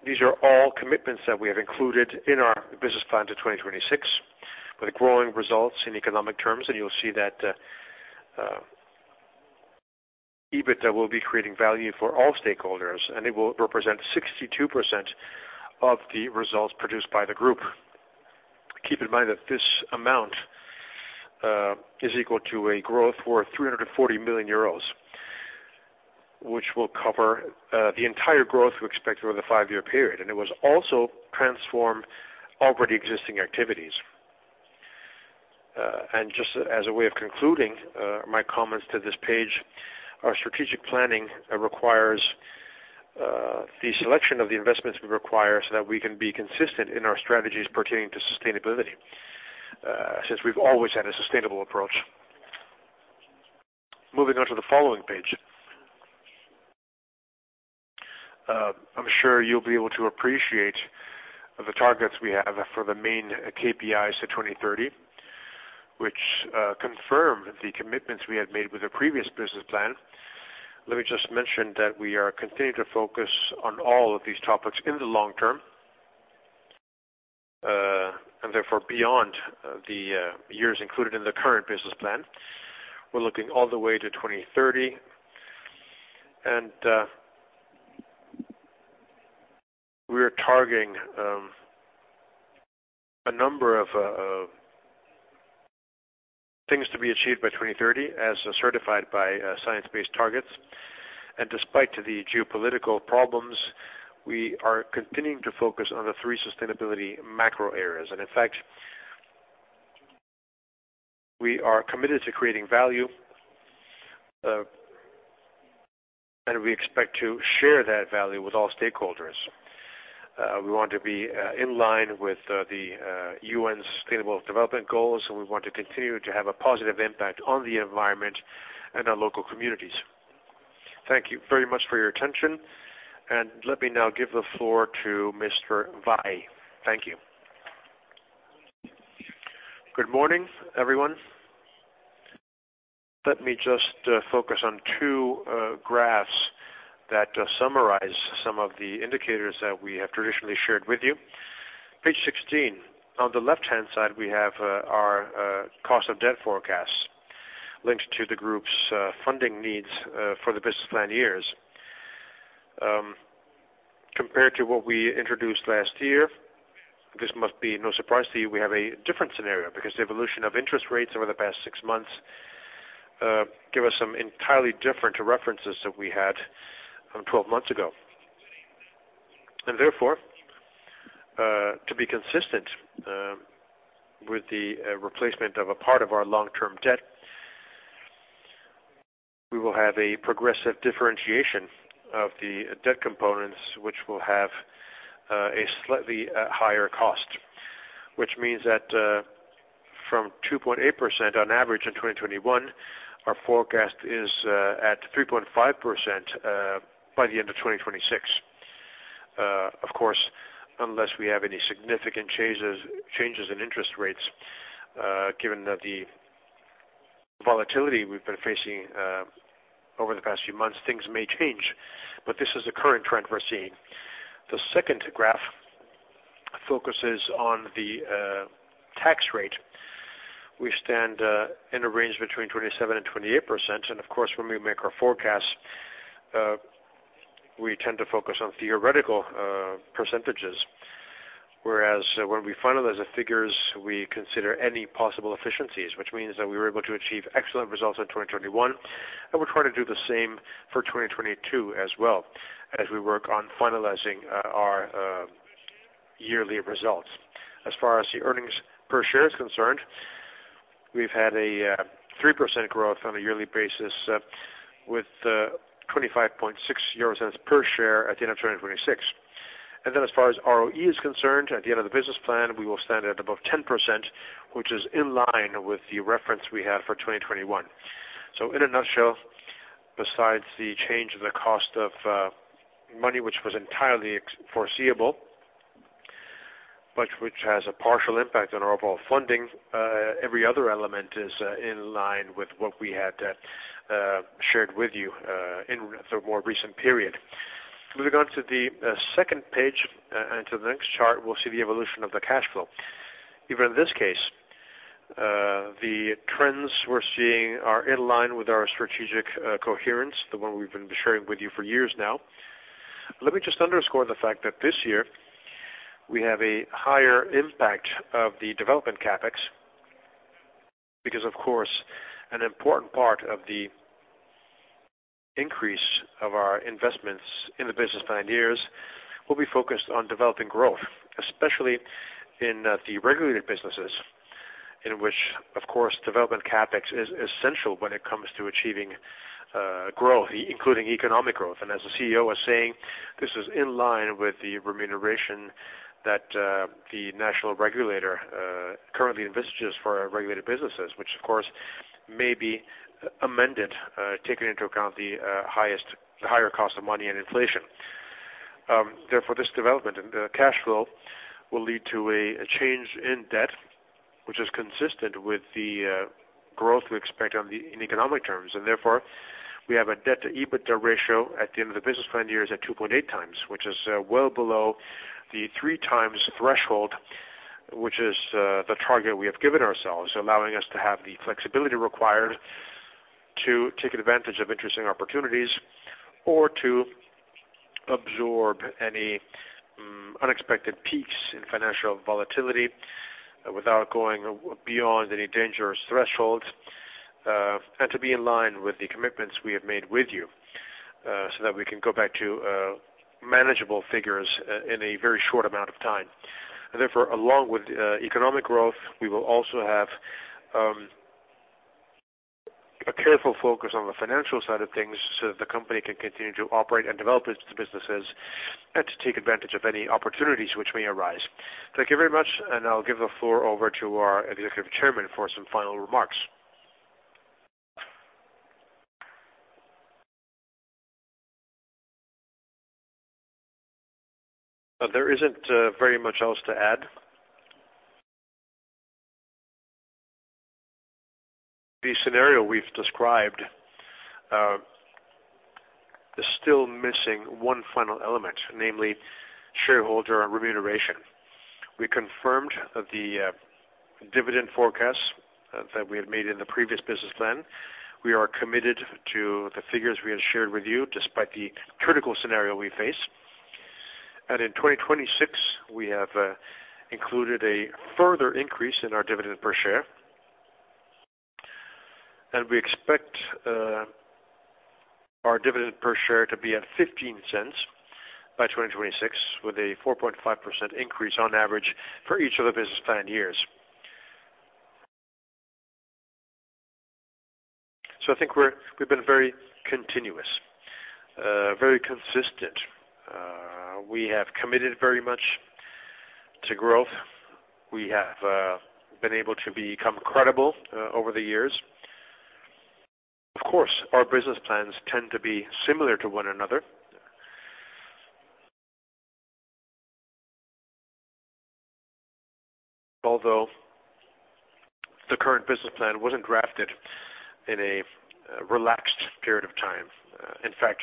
Speaker 3: These are all commitments that we have included in our business plan to 2026, with growing results in economic terms. You'll see that EBITDA will be creating value for all stakeholders, and it will represent 62% of the results produced by the group. Keep in mind that this amount is equal to a growth worth 340 million euros, which will cover the entire growth we expect over the five-year period. It was also transform already existing activities. Just as a way of concluding my comments to this page, our strategic planning requires the selection of the investments we require so that we can be consistent in our strategies pertaining to sustainability, since we've always had a sustainable approach. Moving on to the following page. I'm sure you'll be able to appreciate the targets we have for the main KPIs to 2030, which confirm the commitments we had made with the previous business plan. Let me just mention that we are continuing to focus on all of these topics in the long term, and therefore beyond the years included in the current business plan. We're looking all the way to 2030, and we are targeting a number of things to be achieved by 2030 as certified by Science Based Targets. Despite the geopolitical problems, we are continuing to focus on the 3 sustainability macro areas. In fact, we are committed to creating value, and we expect to share that value with all stakeholders. We want to be in line with the UN Sustainable Development Goals, and we want to continue to have a positive impact on the environment and our local communities. Thank you very much for your attention, and let me now give the floor to Mr. Vai.
Speaker 4: Thank you. Good morning, everyone. Let me just focus on two graphs that summarize some of the indicators that we have traditionally shared with you. Page 16, on the left-hand side, we have our cost of debt forecasts linked to the group's funding needs for the business plan years. Compared to what we introduced last year, this must be no surprise to you, we have a different scenario, because the evolution of interest rates over the past six months, give us some entirely different references that we had from 12 months ago. Therefore, to be consistent, with the replacement of a part of our long-term debt, we will have a progressive differentiation of the debt components, which will have a slightly higher cost. Which means that from 2.8% on average in 2021, our forecast is at 3.5% by the end of 2026. Of course, unless we have any significant changes in interest rates, given that the volatility we've been facing over the past few months, things may change. This is the current trend we're seeing. The second graph focuses on the tax rate. We stand in a range between 27% and 28%. Of course, when we make our forecasts, we tend to focus on theoretical %. Whereas when we finalize the figures, we consider any possible efficiencies, which means that we were able to achieve excellent results in 2021, and we're trying to do the same for 2022 as well as we work on finalizing our yearly results. As far as the earnings per share is concerned, we've had a 3% growth on a yearly basis with 0.256 euros per share at the end of 2026. As far as ROE is concerned, at the end of the business plan, we will stand at above 10%, which is in line with the reference we have for 2021. In a nutshell, besides the change in the cost of money, which was entirely foreseeable, but which has a partial impact on our overall funding, every other element is in line with what we had shared with you in the more recent period. Moving on to the second page and to the next chart, we'll see the evolution of the cash flow. Even in this case, the trends we're seeing are in line with our strategic coherence, the one we've been sharing with you for years now. Let me just underscore the fact that this year we have a higher impact of the development CapEx, because of course, an important part of the increase of our investments in the business plan years will be focused on developing growth, especially in the regulated businesses. In which, of course, development CapEx is essential when it comes to achieving growth, including economic growth. As the CEO was saying, this is in line with the remuneration that the national regulator currently envisages for our regulated businesses, which of course may be amended, taking into account the higher cost of money and inflation. Therefore, this development and cash flow will lead to a change in debt, which is consistent with the growth we expect in economic terms. Therefore, we have a debt-to-EBITDA ratio at the end of the business plan year is at 2.8 times, which is well below the three times threshold, which is the target we have given ourselves, allowing us to have the flexibility required to take advantage of interesting opportunities or to absorb any unexpected peaks in financial volatility without going beyond any dangerous thresholds, and to be in line with the commitments we have made with you, so that we can go back to manageable figures in a very short amount of time. Therefore, along with economic growth, we will also have a careful focus on the financial side of things so that the company can continue to operate and develop its businesses and to take advantage of any opportunities which may arise. Thank you very much, and I'll give the floor over to our executive chairman for some final remarks.
Speaker 2: There isn't very much else to add. The scenario we've described is still missing one final element, namely shareholder remuneration. We confirmed that the dividend forecast that we had made in the previous business plan. We are committed to the figures we had shared with you despite the critical scenario we face. In 2026, we have included a further increase in our dividend per share. We expect our dividend per share to be at 0.15 by 2026, with a 4.5% increase on average for each of the business plan years. I think we're, we've been very continuous, very consistent. We have committed very much to growth. We have been able to become credible over the years. Of course, our business plans tend to be similar to one another. Although the current business plan wasn't drafted in a relaxed period of time. In fact,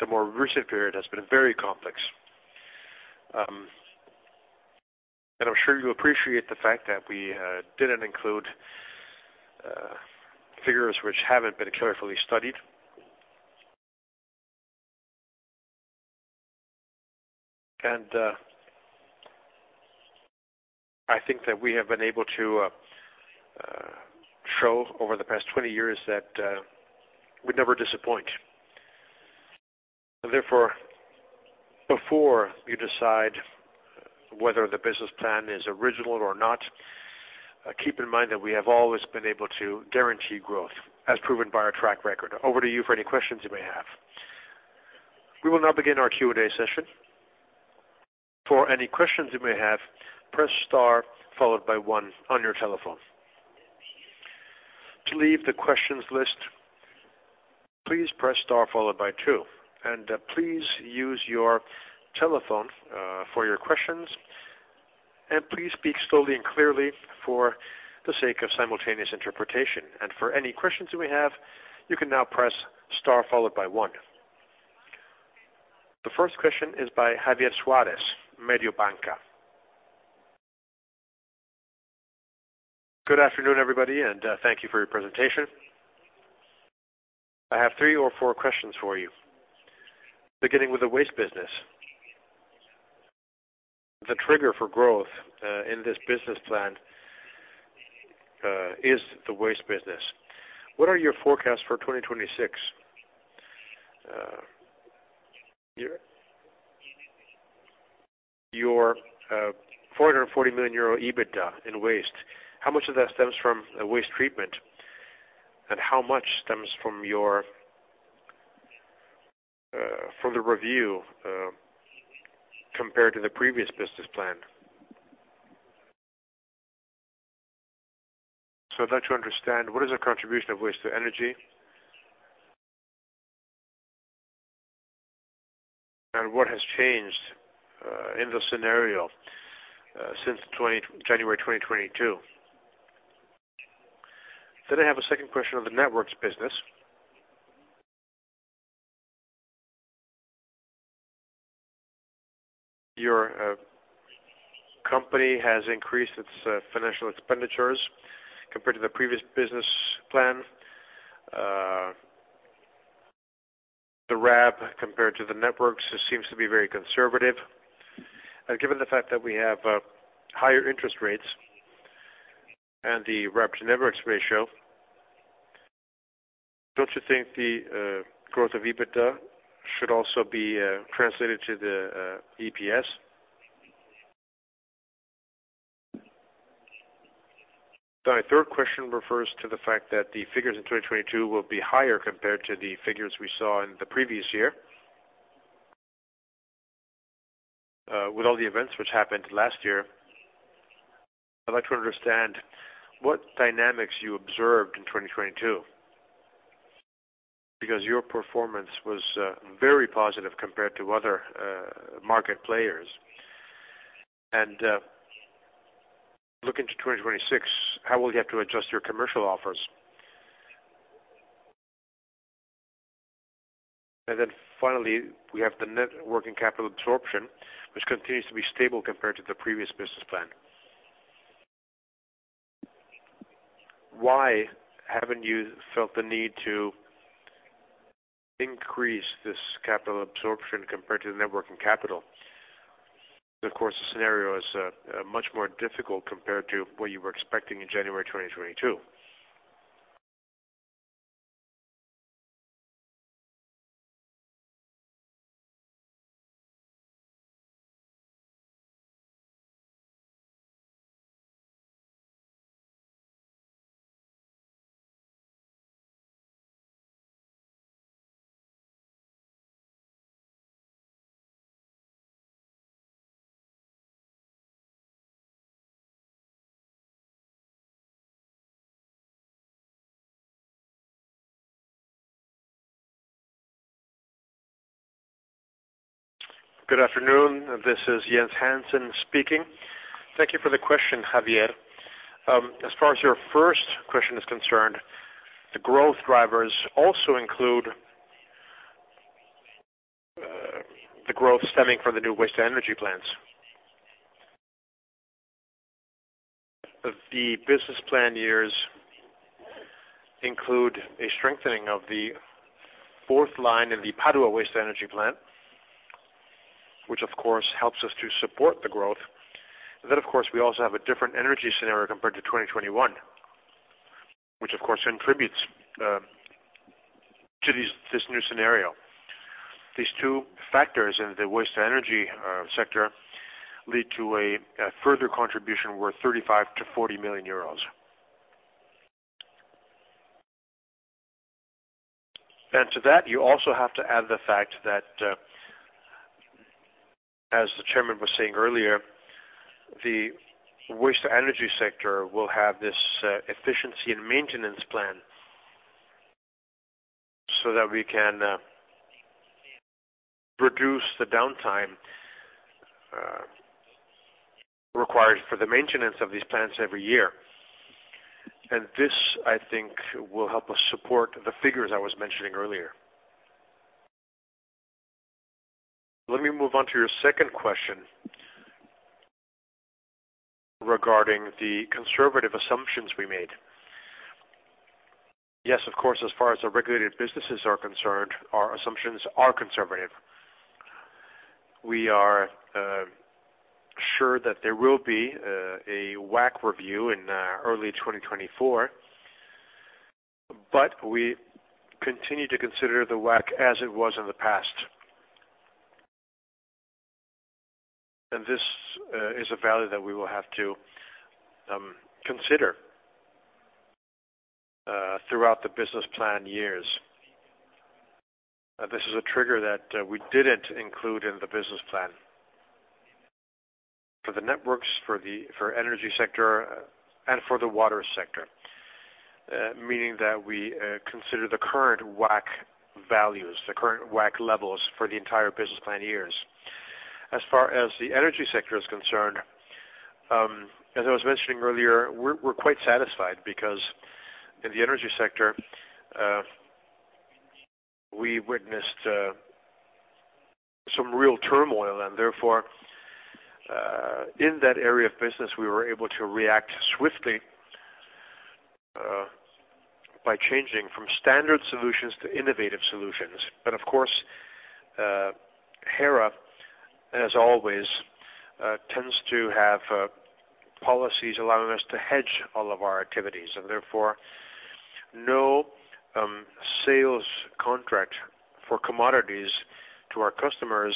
Speaker 2: the more recent period has been very complex. I'm sure you appreciate the fact that we didn't include figures which haven't been carefully studied. I think that we have been able to show over the past 20 years that we never disappoint. Therefore, before you decide whether the business plan is original or not, keep in mind that we have always been able to guarantee growth, as proven by our track record. Over to you for any questions you may have. We will now begin our Q&A session.
Speaker 1: For any questions you may have, press star followed by 1 on your telephone. To leave the questions list, please press star followed by two. Please use your telephone for your questions, and please speak slowly and clearly for the sake of simultaneous interpretation. For any questions you may have, you can now press star followed by one. The first question is by Javier Suarez, Mediobanca.
Speaker 5: Good afternoon, everybody, thank you for your presentation. I have three or four questions for you. Beginning with the waste business. The trigger for growth in this business plan is the waste business. What are your forecasts for 2026? Your 440 million euro EBITDA in waste, how much of that stems from waste treatment, and how much stems from your, from the review, compared to the previous business plan? I'd like to understand what is the contribution of waste to energy? What has changed in the scenario, since January 2022? I have a second question on the networks business. Your company has increased its financial expenditures compared to the previous business plan. The RAB compared to the networks seems to be very conservative. Given the fact that we have higher interest rates and the RAB to networks ratio. Don't you think the growth of EBITDA should also be translated to the EPS? My third question refers to the fact that the figures in 2022 will be higher compared to the figures we saw in the previous year. With all the events which happened last year, I'd like to understand what dynamics you observed in 2022 because your performance was very positive compared to other market players. Looking to 2026, how will you have to adjust your commercial offers? Finally, we have the net working capital absorption, which continues to be stable compared to the previous business plan. Why haven't you felt the need to increase this capital absorption compared to the networking capital? Of course, the scenario is much more difficult compared to what you were expecting in January 2022.
Speaker 6: Good afternoon. This is Jens Hansen speaking. Thank you for the question, Javier. As far as your first question is concerned, the growth drivers also include the growth stemming from the new waste-to-energy plants. Of the business plan years include a strengthening of the fourth line in the Padua waste-to-energy plant, which of course helps us to support the growth. We also have a different energy scenario compared to 2021, which of course contributes to this new scenario. These two factors in the waste-to-energy sector lead to a further contribution worth 35 million-40 million euros. You also have to add the fact that, as the chairman was saying earlier, the waste-to-energy sector will have this efficiency and maintenance plan so that we can reduce the downtime required for the maintenance of these plants every year. This, I think, will help us support the figures I was mentioning earlier. Let me move on to your second question regarding the conservative assumptions we made. Yes, of course, as far as the regulated businesses are concerned, our assumptions are conservative. We are sure that there will be a WACC review in early 2024, but we continue to consider the WACC as it was in the past. This is a value that we will have to consider throughout the business plan years. This is a trigger that we didn't include in the business plan. For the networks, for the energy sector and for the water sector. Meaning that we consider the current WACC values, the current WACC levels for the entire business plan years. As far as the energy sector is concerned, as I was mentioning earlier, we're quite satisfied because in the energy sector, we witnessed some real turmoil and therefore, in that area of business, we were able to react swiftly by changing from standard solutions to innovative solutions. Of course, Hera, as always, tends to have policies allowing us to hedge all of our activities. Therefore, no sales contract for commodities to our customers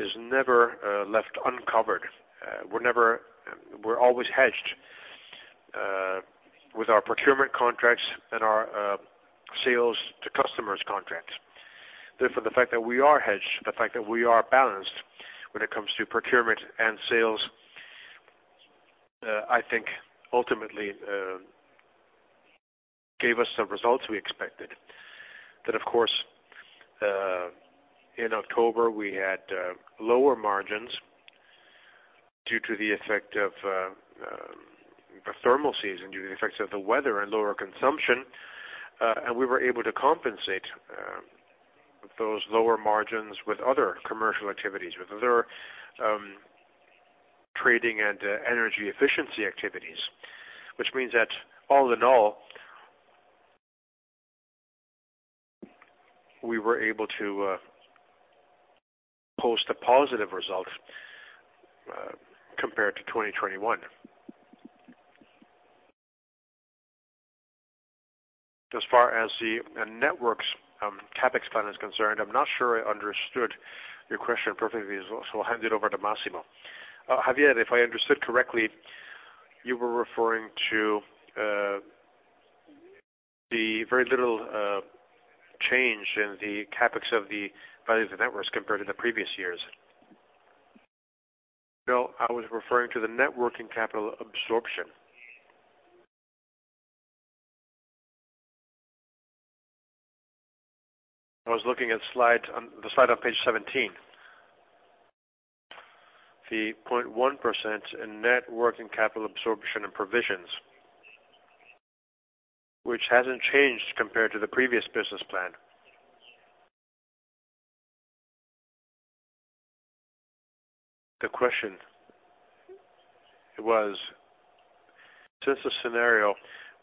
Speaker 6: is never left uncovered. We're always hedged with our procurement contracts and our sales to customers contracts. The fact that we are hedged, the fact that we are balanced when it comes to procurement and sales, I think ultimately gave us the results we expected. Of course, in October, we had lower margins due to the effect of the thermal season, due to the effects of the weather and lower consumption. We were able to compensate those lower margins with other commercial activities, with other trading and energy efficiency activities. Which means that all in all, we were able to post a positive result. Compared to 2021. As far as the networks, CapEx plan is concerned, I'm not sure I understood your question perfectly, so I'll hand it over to Massimo.
Speaker 4: Javier, if I understood correctly, you were referring to the very little change in the CapEx of the value of the networks compared to the previous years.
Speaker 5: No, I was referring to the networking capital absorption. I was looking at slide, the slide on page 17. The 0.1% in net working capital absorption and provisions. Which hasn't changed compared to the previous business plan. The question. It was, since the scenario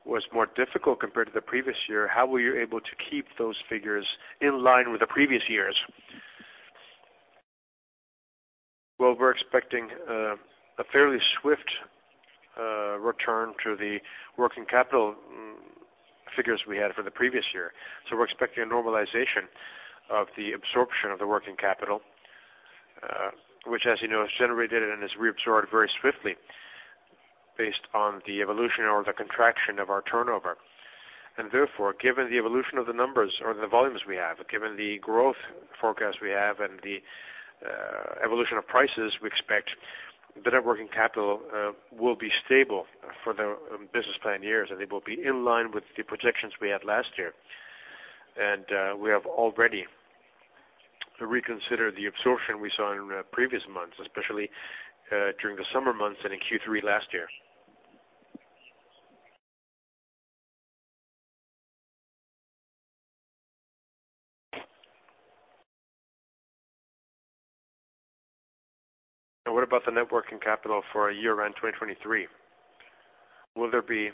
Speaker 5: was more difficult compared to the previous year, how were you able to keep those figures in line with the previous years?
Speaker 4: Well, we're expecting a fairly swift return to the working capital figures we had for the previous year. We're expecting a normalization of the absorption of the working capital, which, as you know, is generated and is reabsorbed very swiftly based on the evolution or the contraction of our turnover. Therefore, given the evolution of the numbers or the volumes we have, given the growth forecast we have and the evolution of prices, we expect the net working capital will be stable for the business plan years, and they will be in line with the projections we had last year. We have already reconsidered the absorption we saw in the previous months, especially during the summer months and in Q3 last year.
Speaker 5: What about the net working capital for a year-end 2023? Will there be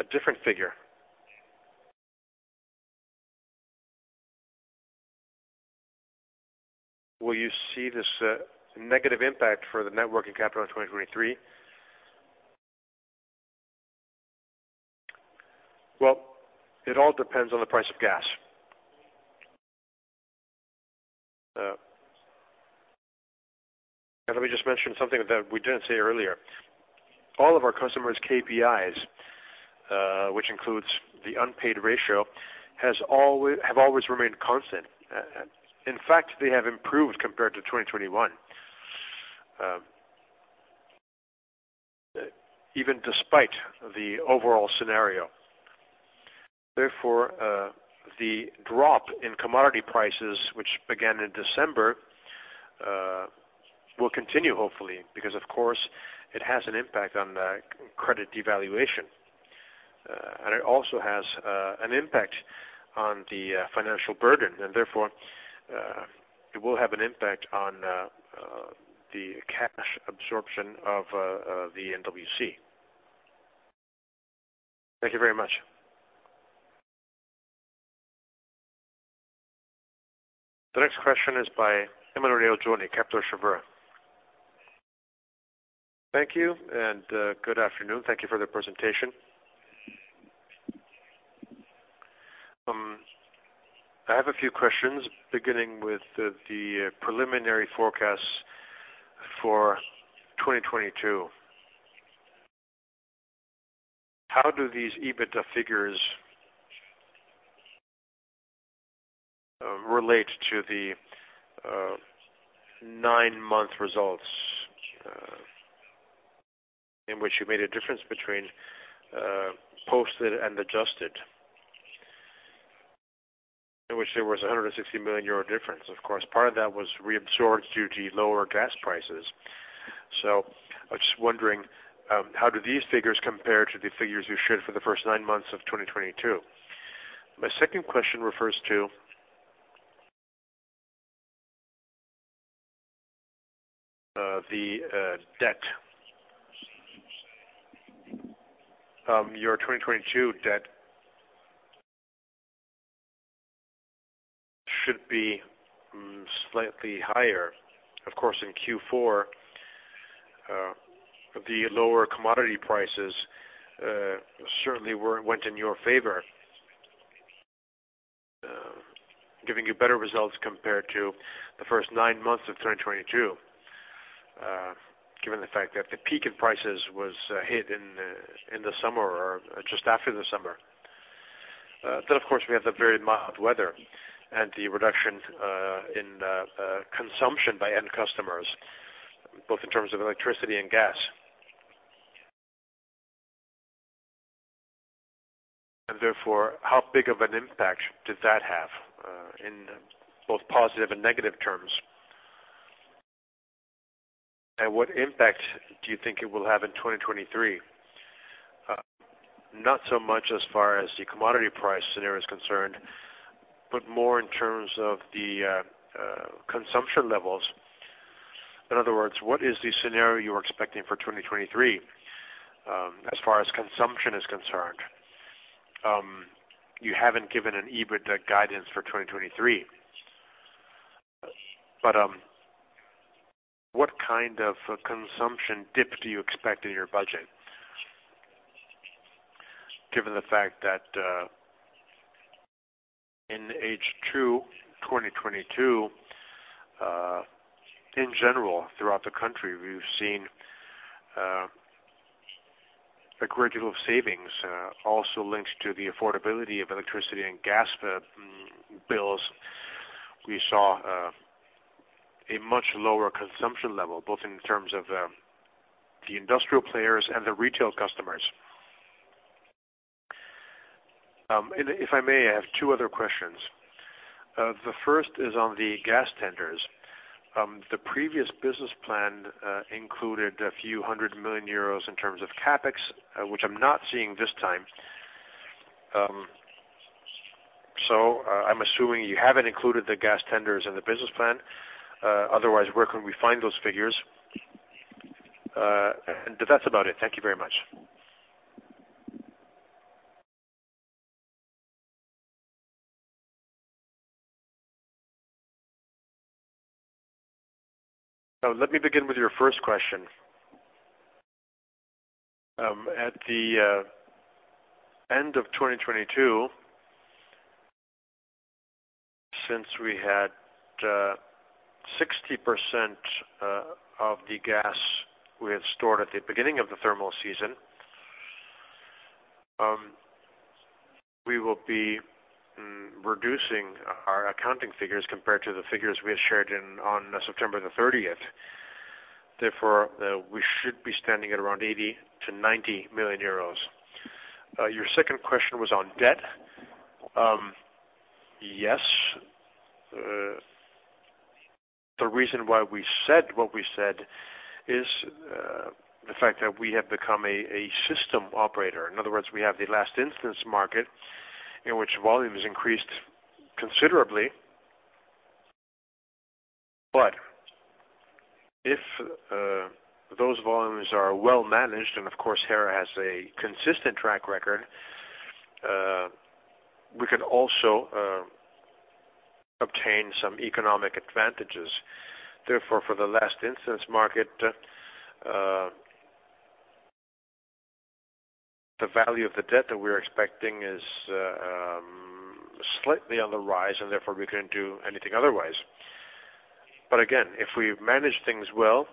Speaker 5: a different figure? Will you see this negative impact for the net working capital in 2023?
Speaker 4: Well, it all depends on the price of gas. Let me just mention something that we didn't say earlier. All of our customers' KPIs, which includes the unpaid ratio, have always remained constant. In fact, they have improved compared to 2021, even despite the overall scenario. The drop in commodity prices, which began in December, will continue, hopefully, because, of course, it has an impact on the credit devaluation, and it also has an impact on the financial burden, it will have an impact on the cash absorption of the NWC.
Speaker 5: Thank you very much.
Speaker 1: The next question is by Emanuele Oggioni, Kepler Cheuvreux.
Speaker 7: Thank you, good afternoon. Thank you for the presentation. I have a few questions, beginning with the preliminary forecasts for 2022. How do these EBITDA figures relate to the nine-month results, in which you made a difference between posted and adjusted, in which there was a 160 million euro difference? Of course, part of that was reabsorbed due to lower gas prices. I was just wondering, how do these figures compare to the figures you showed for the first nine months of 2022. My second question refers to the debt. Your 2022 debt should be slightly higher. Of course, in Q4, the lower commodity prices certainly went in your favor, giving you better results compared to the first nine months of 2022, given the fact that the peak in prices was hit in the summer or just after the summer. Then, of course, we have the very mild weather and the reduction in consumption by end customers, both in terms of electricity and gas. Therefore, how big of an impact did that have in both positive and negative terms? What impact do you think it will have in 2023? Not so much as far as the commodity price scenario is concerned, but more in terms of the consumption levels. In other words, what is the scenario you're expecting for 2023 as far as consumption is concerned? You haven't given an EBIT guidance for 2023. What kind of consumption dip do you expect in your budget? Given the fact that in H2 2022, in general, throughout the country, we've seen a great deal of savings, also linked to the affordability of electricity and gas bills. We saw a much lower consumption level, both in terms of the industrial players and the retail customers. If I may, I have two other questions. The first is on the gas tenders. The previous business plan included a few hundred million EUR in terms of CapEx, which I'm not seeing this time. I'm assuming you haven't included the gas tenders in the business plan. Otherwise, where can we find those figures? That's about it. Thank you very much.
Speaker 4: Let me begin with your first question. At the end of 2022, since we had 60% of the gas we had stored at the beginning of the thermal season, we will be reducing our accounting figures compared to the figures we had shared on September 30th. Therefore, we should be standing at around 80 million-90 million euros. Your second question was on debt. Yes. The reason why we said what we said is the fact that we have become a system operator. In other words, we have the last instance market in which volume has increased considerably. If those volumes are well managed, and of course, Hera has a consistent track record, we can also obtain some economic advantages. Therefore, for the last instance market, the value of the debt that we're expecting is slightly on the rise, and therefore, we couldn't do anything otherwise. Again, if we manage things well,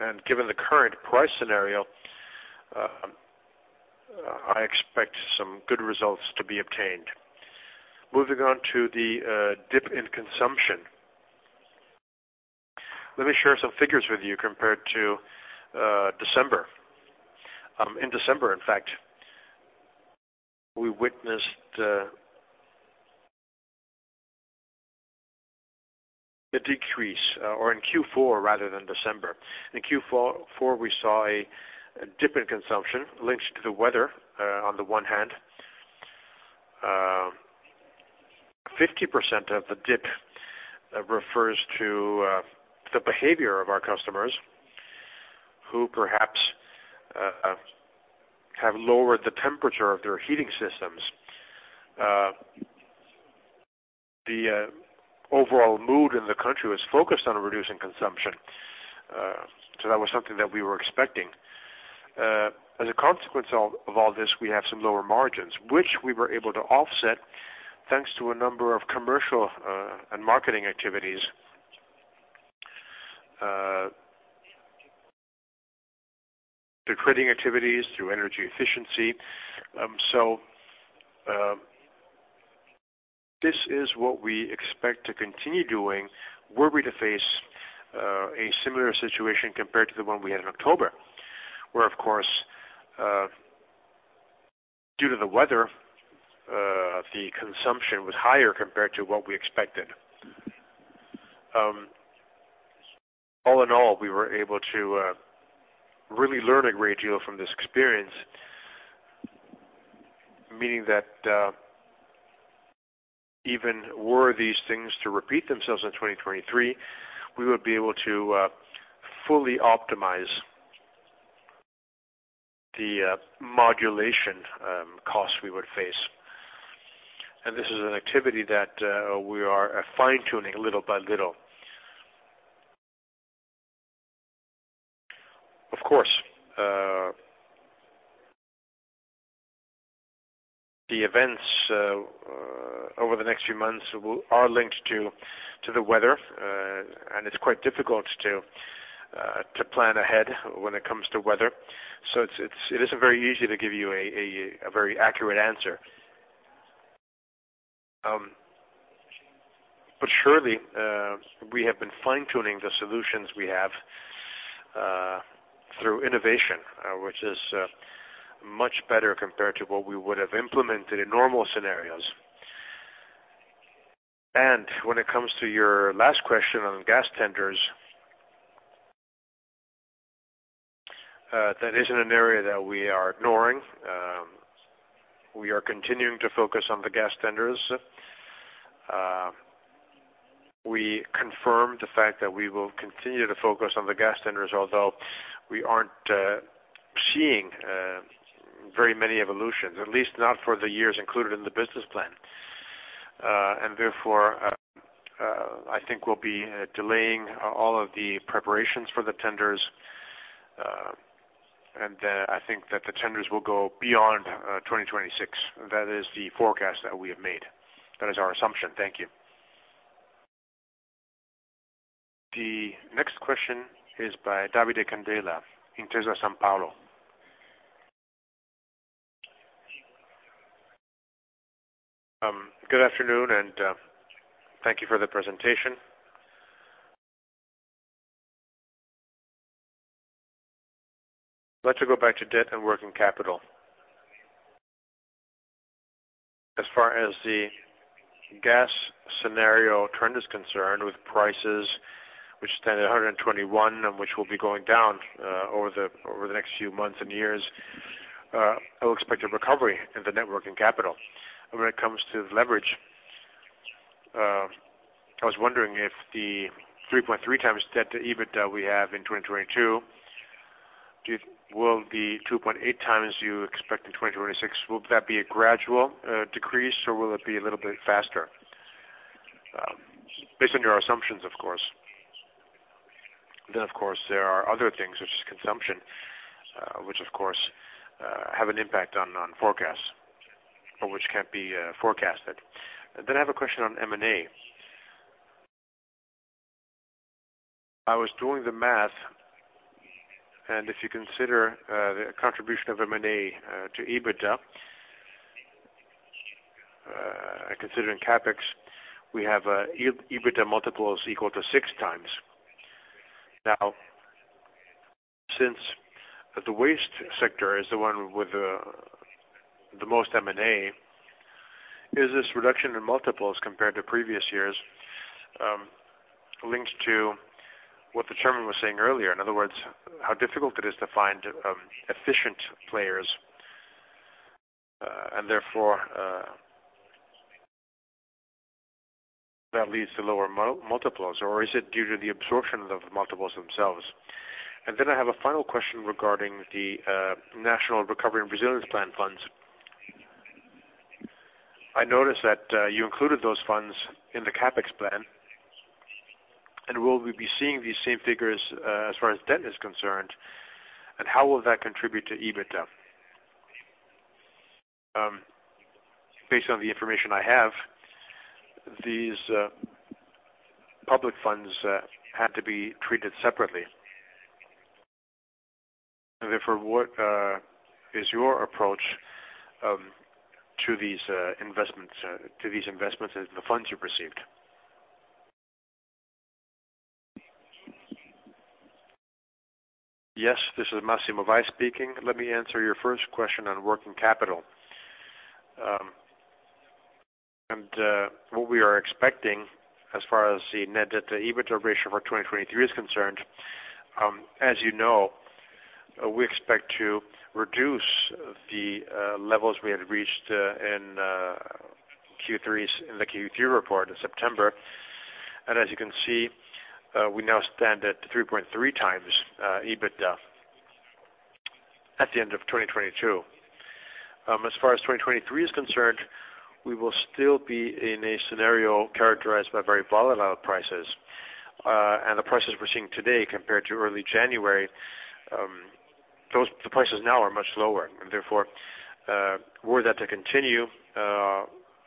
Speaker 4: and given the current price scenario, I expect some good results to be obtained. Moving on to the dip in consumption. Let me share some figures with you compared to December. In December, in fact, we witnessed a decrease, or in Q4 rather than December. In Q4, we saw a dip in consumption linked to the weather on the one hand. 50% of the dip refers to the behavior of our customers who perhaps have lowered the temperature of their heating systems. The overall mood in the country was focused on reducing consumption, that was something that we were expecting. As a consequence of all this, we have some lower margins, which we were able to offset, thanks to a number of commercial and marketing activities, through trading activities, through energy efficiency. This is what we expect to continue doing were we to face a similar situation compared to the one we had in October, where, of course, due to the weather, the consumption was higher compared to what we expected. All in all, we were able to really learn a great deal from this experience, meaning that even were these things to repeat themselves in 2023, we would be able to fully optimize the modulation costs we would face. This is an activity that we are fine-tuning little by little. Of course, the events over the next few months are linked to the weather, and it's quite difficult to plan ahead when it comes to weather. It isn't very easy to give you a very accurate answer. But surely, we have been fine-tuning the solutions we have through innovation, which is much better compared to what we would have implemented in normal scenarios. When it comes to your last question on gas tenders, that isn't an area that we are ignoring. We are continuing to focus on the gas tenders. We confirm the fact that we will continue to focus on the gas tenders, although we aren't seeing very many evolutions, at least not for the years included in the business plan. Therefore, I think we'll be delaying all of the preparations for the tenders. I think that the tenders will go beyond 2026. That is the forecast that we have made. That is our assumption. Thank you.
Speaker 1: The next question is by Davide Candela in Intesa Sanpaolo.
Speaker 8: Good afternoon, and thank you for the presentation. I'd like to go back to debt and working capital. As far as the gas scenario trend is concerned, with prices which stand at 121 and which will be going down over the next few months and years, I would expect a recovery in the network and capital. When it comes to the leverage, I was wondering if the 3.3 times debt to EBITDA we have in 2022, will the 2.8 times you expect in 2026, will that be a gradual decrease, or will it be a little bit faster? Based on your assumptions, of course. Of course, there are other things such as consumption, which of course, have an impact on forecasts or which can't be forecasted. I have a question on M&A. I was doing the math, and if you consider the contribution of M&A to EBITDA, considering CapEx, we have EBITDA multiples equal to 6x. Since the waste sector is the one with the most M&A, is this reduction in multiples compared to previous years linked to what the chairman was saying earlier? In other words, how difficult it is to find efficient players, and therefore, that leads to lower multiples, or is it due to the absorption of the multiples themselves? I have a final question regarding the National Recovery and Resilience Plan funds. I noticed that you included those funds in the CapEx plan. Will we be seeing these same figures as far as debt is concerned, and how will that contribute to EBITDA? Based on the information I have, these public funds had to be treated separately. Therefore, what is your approach to these investments and the funds you received?
Speaker 4: Yes, this is Massimo Vai speaking. Let me answer your first question on working capital. What we are expecting as far as the net debt to EBITDA ratio for 2023 is concerned, as you know, we expect to reduce the levels we had reached in the Q3 report in September. As you can see, we now stand at 3.3 times EBITDA at the end of 2022. As far as 2023 is concerned, we will still be in a scenario characterized by very volatile prices. The prices we're seeing today compared to early January, the prices now are much lower. Therefore, were that to continue,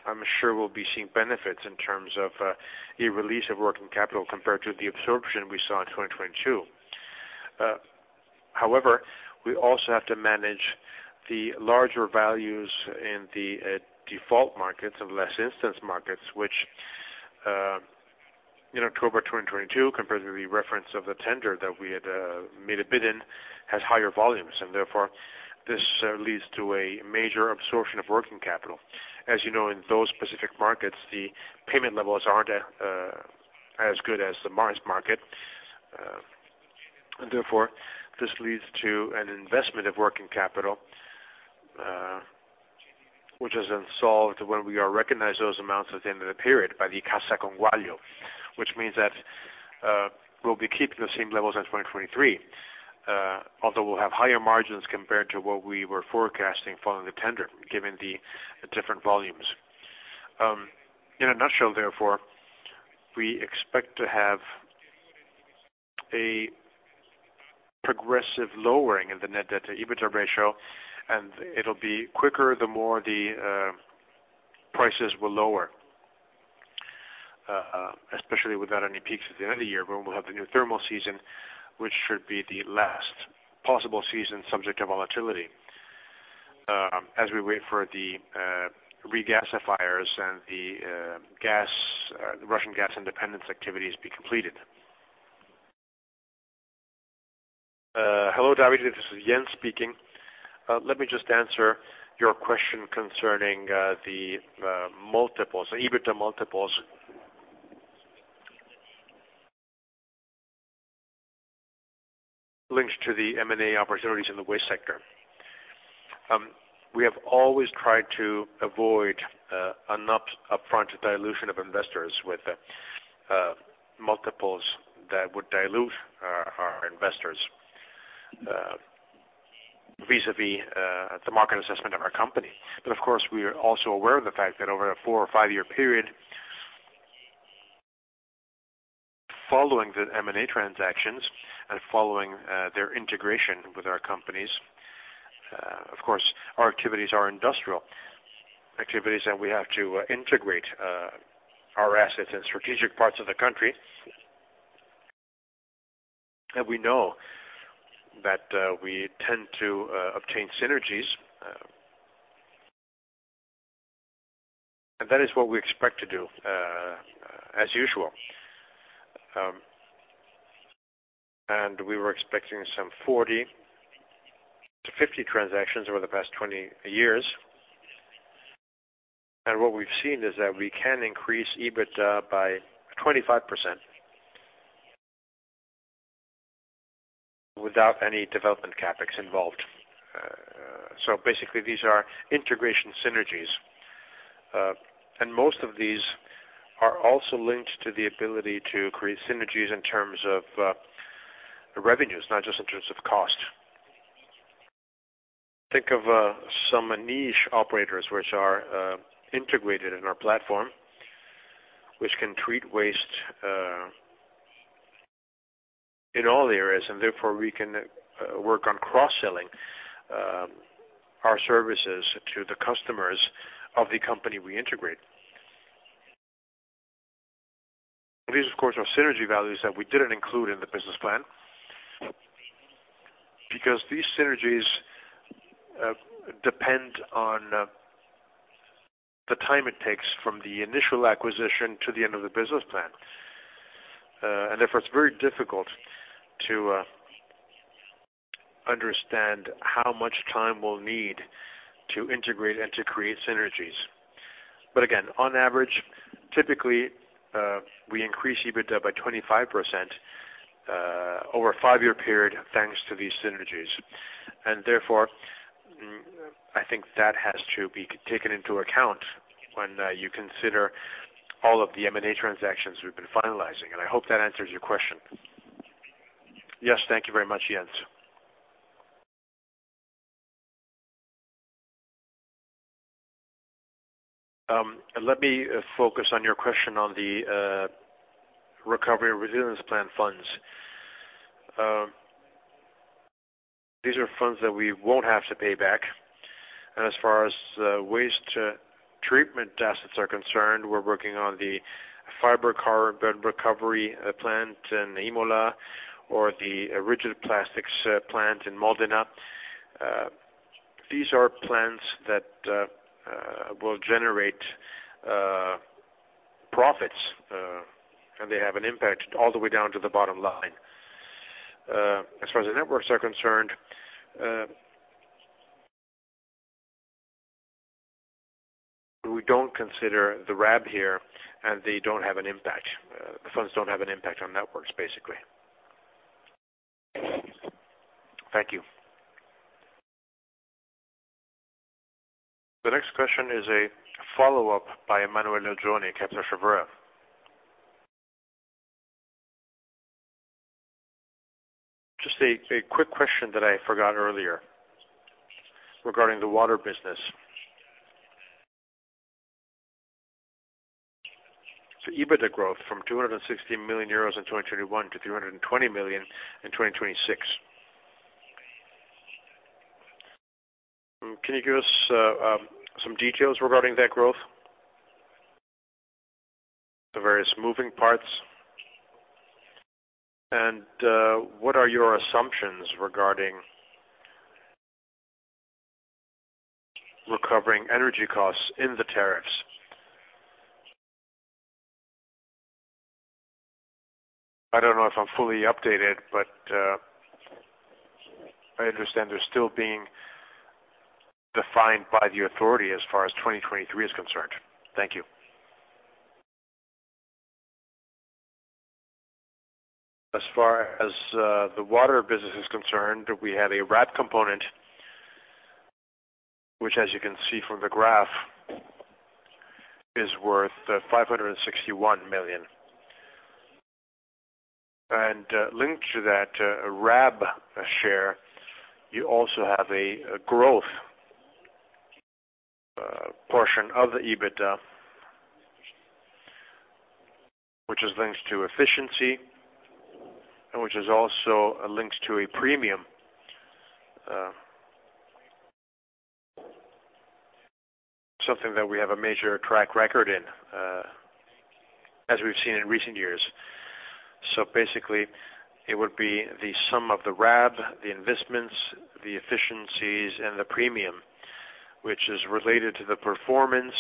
Speaker 4: I'm sure we'll be seeing benefits in terms of a release of working capital compared to the absorption we saw in 2022. However, we also have to manage the larger values in the default markets and less instance markets, which, in October 2022, compared to the reference of the tender that we had made a bid in, has higher volumes. Therefore, this leads to a major absorption of working capital. As you know, in those specific markets, the payment levels aren't as good as the mass market. Therefore, this leads to an investment of working capital, which is then solved when we recognize those amounts at the end of the period by the Cassa Conguaglio, which means that we'll be keeping the same levels as 2023, although we'll have higher margins compared to what we were forecasting following the tender, given the different volumes. In a nutshell, we expect to have a progressive lowering of the net debt to EBITDA ratio, it'll be quicker the more the prices will lower, especially without any peaks at the end of the year when we'll have the new thermal season, which should be the last possible season subject to volatility, as we wait for the regasifiers and the gas, the Russian gas independence activities be completed.
Speaker 6: Hello, Davide. This is Jens speaking. Let me just answer your question concerning the multiples, the EBITDA multiples linked to the M&A opportunities in the waste sector. We have always tried to avoid an upfront dilution of investors with multiples that would dilute our investors, vis-a-vis the market assessment of our company. Of course, we are also aware of the fact that over a four or five-year period, following the M&A transactions and following their integration with our companies, of course, our activities are industrial activities, and we have to integrate our assets in strategic parts of the country. We know that we tend to obtain synergies. That is what we expect to do as usual. We were expecting some 40-50 transactions over the past 20 years. What we've seen is that we can increase EBITDA by 25%. Without any development CapEx involved. Basically, these are integration synergies. Most of these are also linked to the ability to create synergies in terms of the revenues, not just in terms of cost. Think of some niche operators which are integrated in our platform, which can treat waste in all areas, and therefore we can work on cross-selling our services to the customers of the company we integrate. These, of course, are synergy values that we didn't include in the business plan. These synergies depend on the time it takes from the initial acquisition to the end of the business plan. Therefore, it's very difficult to understand how much time we'll need to integrate and to create synergies. Again, on average, typically, we increase EBITDA by 25% over a five-year period, thanks to these synergies. Therefore, I think that has to be taken into account when you consider all of the M&A transactions we've been finalizing, and I hope that answers your question.
Speaker 8: Yes, thank you very much, Jens.
Speaker 4: Let me focus on your question on the recovery resilience plan funds. These are funds that we won't have to pay back. As far as waste treatment assets are concerned, we're working on the carbon fiber recovery plant in Imola or the rigid plastics plant in Modena. These are plants that will generate profits, and they have an impact all the way down to the bottom line. As far as the networks are concerned. We don't consider the RAB here, and they don't have an impact. The funds don't have an impact on networks, basically. Thank you.
Speaker 1: The next question is a follow-up by Emanuele Oggioni, Kepler Cheuvreux.
Speaker 7: Just a quick question that I forgot earlier regarding the water business. EBITDA growth from 260 million euros in 2021 to 320 million in 2026. Can you give us some details regarding that growth? The various moving parts. What are your assumptions regarding recovering energy costs in the tariffs? I don't know if I'm fully updated, but I understand they're still being defined by the authority as far as 2023 is concerned. Thank you.
Speaker 4: As far as the water business is concerned, we have a RAB component, which, as you can see from the graph, is worth EUR 561 million. Linked to that RAB share, you also have a growth portion of the EBITDA, which is linked to efficiency, and which is also links to a premium. Something that we have a major track record in, as we've seen in recent years. Basically, it would be the sum of the RAB, the investments, the efficiencies, and the premium, which is related to the performance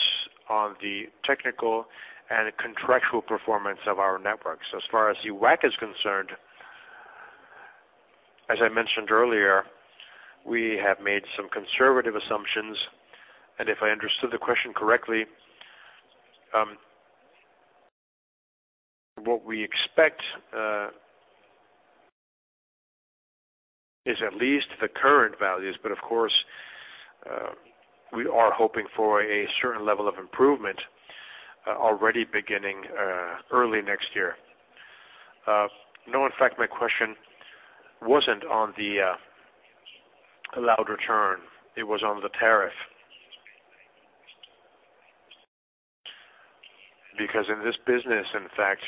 Speaker 4: of the technical and contractual performance of our networks. As far as the WACC is concerned, as I mentioned earlier, we have made some conservative assumptions. If I understood the question correctly, what we expect is at least the current values, but of course, we are hoping for a certain level of improvement already beginning early next year. No. In fact, my question wasn't on the allowed return. It was on the tariff. In this business, in fact,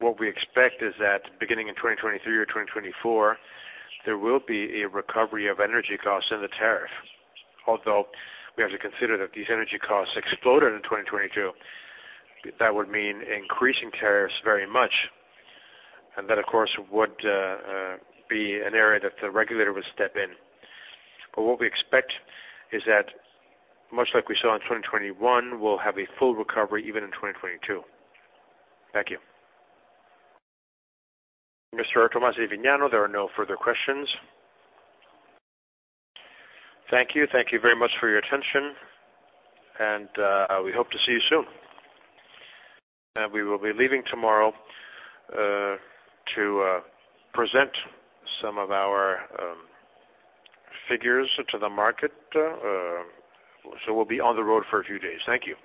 Speaker 4: what we expect is that beginning in 2023 or 2024, there will be a recovery of energy costs in the tariff. We have to consider that these energy costs exploded in 2022, that would mean increasing tariffs very much. That, of course, would be an area that the regulator would step in. What we expect is that much like we saw in 2021, we'll have a full recovery even in 2022. Thank you.
Speaker 1: Mr. Tommasi di Vignano, there are no further questions.
Speaker 2: Thank you. Thank you very much for your attention. We hope to see you soon. We will be leaving tomorrow to present some of our figures to the market. We'll be on the road for a few days. Thank you.